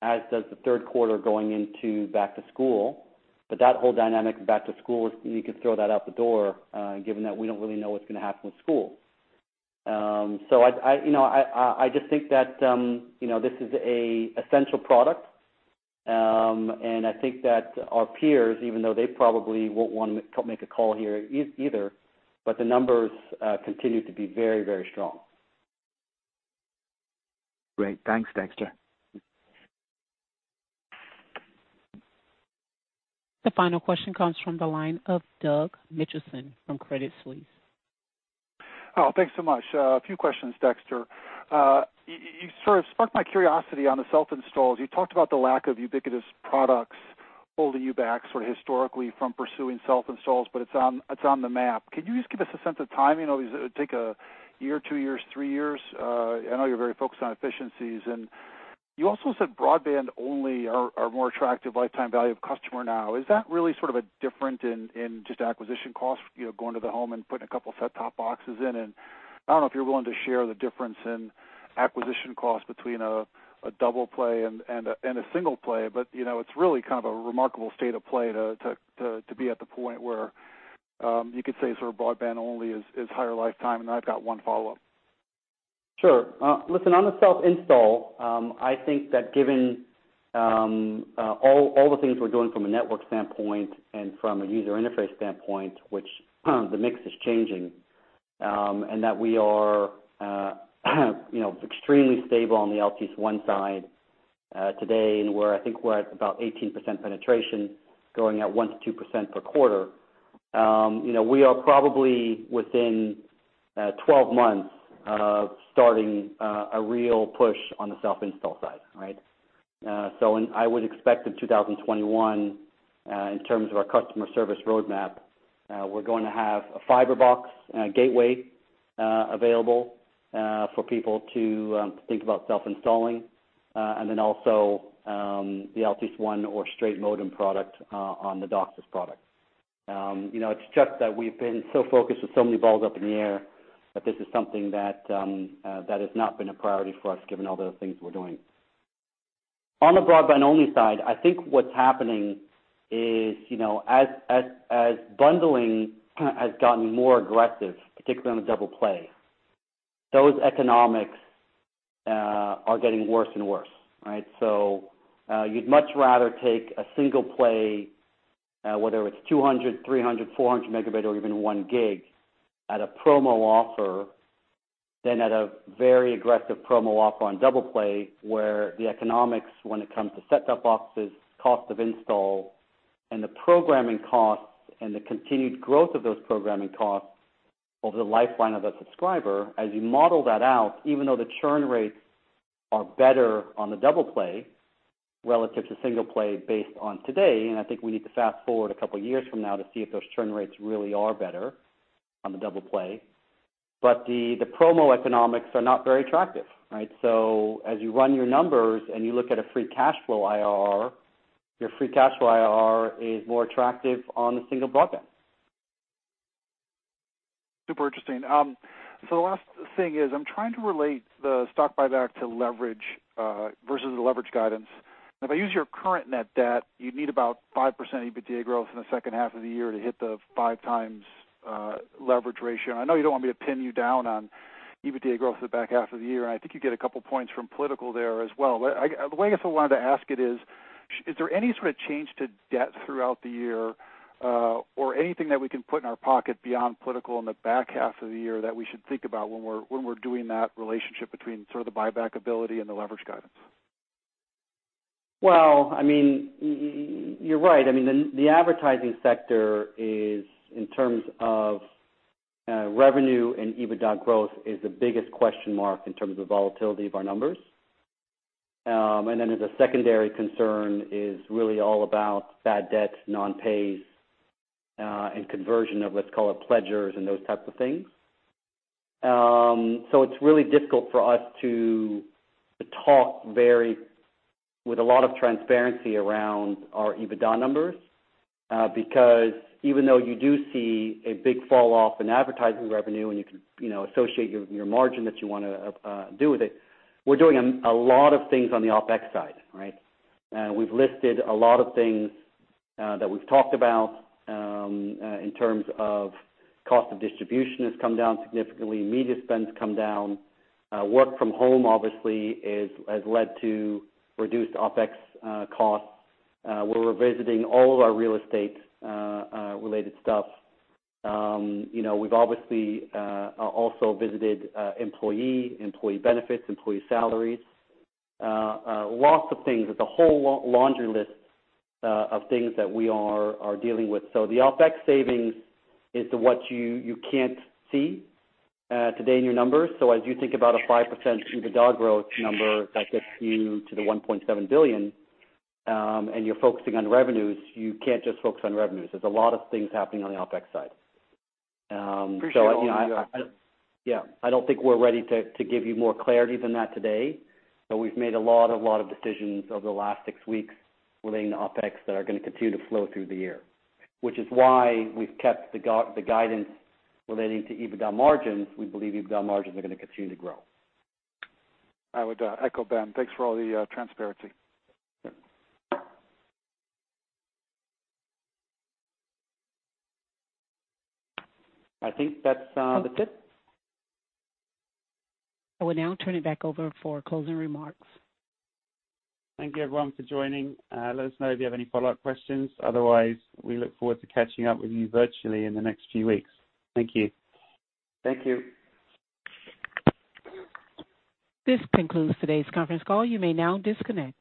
[SPEAKER 3] as does the third quarter going into back to school. But that whole dynamic back to school, you can throw that out the door, given that we don't really know what's gonna happen with school. So I, you know, I just think that, you know, this is a essential product. And I think that our peers, even though they probably won't want to make a call here either, but the numbers continue to be very, very strong.
[SPEAKER 12] Great. Thanks, Dexter.
[SPEAKER 1] The final question comes from the line of Doug Mitchelson from Credit Suisse.
[SPEAKER 13] Oh, thanks so much. A few questions, Dexter. You sort of sparked my curiosity on the self-installs. You talked about the lack of ubiquitous products holding you back, sort of historically from pursuing self-installs, but it's on the map. Can you just give us a sense of timing? You know, does it take a year, two years, three years? I know you're very focused on efficiencies. And you also said broadband-only are more attractive lifetime value of customer now. Is that really sort of a different in just acquisition costs, you know, going to the home and putting a couple of set-top boxes in? I don't know if you're willing to share the difference in acquisition costs between a double play and a single play, but you know, it's really kind of a remarkable state of play to be at the point where you could say sort of broadband-only is higher lifetime. I've got one follow-up.
[SPEAKER 3] Sure. Listen, on the self-install, I think that given all the things we're doing from a network standpoint and from a user interface standpoint, which the mix is changing, and that we are, you know, extremely stable on the Altice One side today, and we're, I think we're at about 18% penetration, growing at 1-2% per quarter. You know, we are probably within 12 months starting a real push on the self-install side, right? So and I would expect in 2021, in terms of our customer service roadmap, we're going to have a fiber box and a gateway available for people to think about self-installing, and then also the Altice One or straight modem product on the DOCSIS product. You know, it's just that we've been so focused with so many balls up in the air, that this is something that has not been a priority for us, given all the other things we're doing. On the broadband-only side, I think what's happening is, you know, as bundling has gotten more aggressive, particularly on the double play, those economics are getting worse and worse, right? You'd much rather take a single play, whether it's two hundred, three hundred, four hundred megabit, or even one gig at a promo offer, than at a very aggressive promo offer on double play, where the economics, when it comes to set-top boxes, cost of install, and the programming costs, and the continued growth of those programming costs over the lifetime of a subscriber, as you model that out, even though the churn rates are better on the double play relative to single play based on today, and I think we need to fast-forward a couple of years from now to see if those churn rates really are better on the double play. But the promo economics are not very attractive, right? As you run your numbers and you look at a free cash flow IRR, your free cash flow IRR is more attractive on the single broadband.
[SPEAKER 13] Super interesting. So the last thing is, I'm trying to relate the stock buyback to leverage versus the leverage guidance. If I use your current net debt, you'd need about 5% EBITDA growth in the second half of the year to hit the five times leverage ratio. I know you don't want me to pin you down on EBITDA growth in the back half of the year, and I think you get a couple points from political there as well. But I, the way I also wanted to ask it is: Is there any sort of change to debt throughout the year or anything that we can put in our pocket beyond political in the back half of the year, that we should think about when we're doing that relationship between sort of the buyback ability and the leverage guidance?
[SPEAKER 3] I mean, you're right. I mean, the advertising sector is, in terms of revenue and EBITDA growth, the biggest question mark in terms of the volatility of our numbers. Then as a secondary concern is really all about bad debts, non-pays, and conversion of, let's call it, pledgers and those types of things. So it's really difficult for us to talk with a lot of transparency around our EBITDA numbers, because even though you do see a big falloff in advertising revenue, and you can, you know, associate your margin that you want to do with it, we're doing a lot of things on the OpEx side, right? We've listed a lot of things that we've talked about, in terms of cost of distribution has come down significantly. Media spend's come down. Work from home obviously has led to reduced OpEx costs. We're revisiting all of our real estate related stuff. You know, we've obviously also visited employee benefits, employee salaries, lots of things. It's a whole laundry list of things that we are dealing with. So the OpEx savings is to what you can't see today in your numbers. So as you think about a 5% EBITDA growth number, that gets you to the $1.7 billion, and you're focusing on revenues, you can't just focus on revenues. There's a lot of things happening on the OpEx side. So I-
[SPEAKER 13] Appreciate you-
[SPEAKER 3] Yeah, I don't think we're ready to give you more clarity than that today, but we've made a lot of decisions over the last six weeks relating to OpEx that are gonna continue to flow through the year. Which is why we've kept the guidance relating to EBITDA margins. We believe EBITDA margins are gonna continue to grow.
[SPEAKER 13] I would echo Ben. Thanks for all the transparency.
[SPEAKER 3] I think that's the tip.
[SPEAKER 1] I will now turn it back over for closing remarks.
[SPEAKER 2] Thank you everyone for joining. Let us know if you have any follow-up questions. Otherwise, we look forward to catching up with you virtually in the next few weeks. Thank you.
[SPEAKER 3] Thank you.
[SPEAKER 1] This concludes today's conference call. You may now disconnect.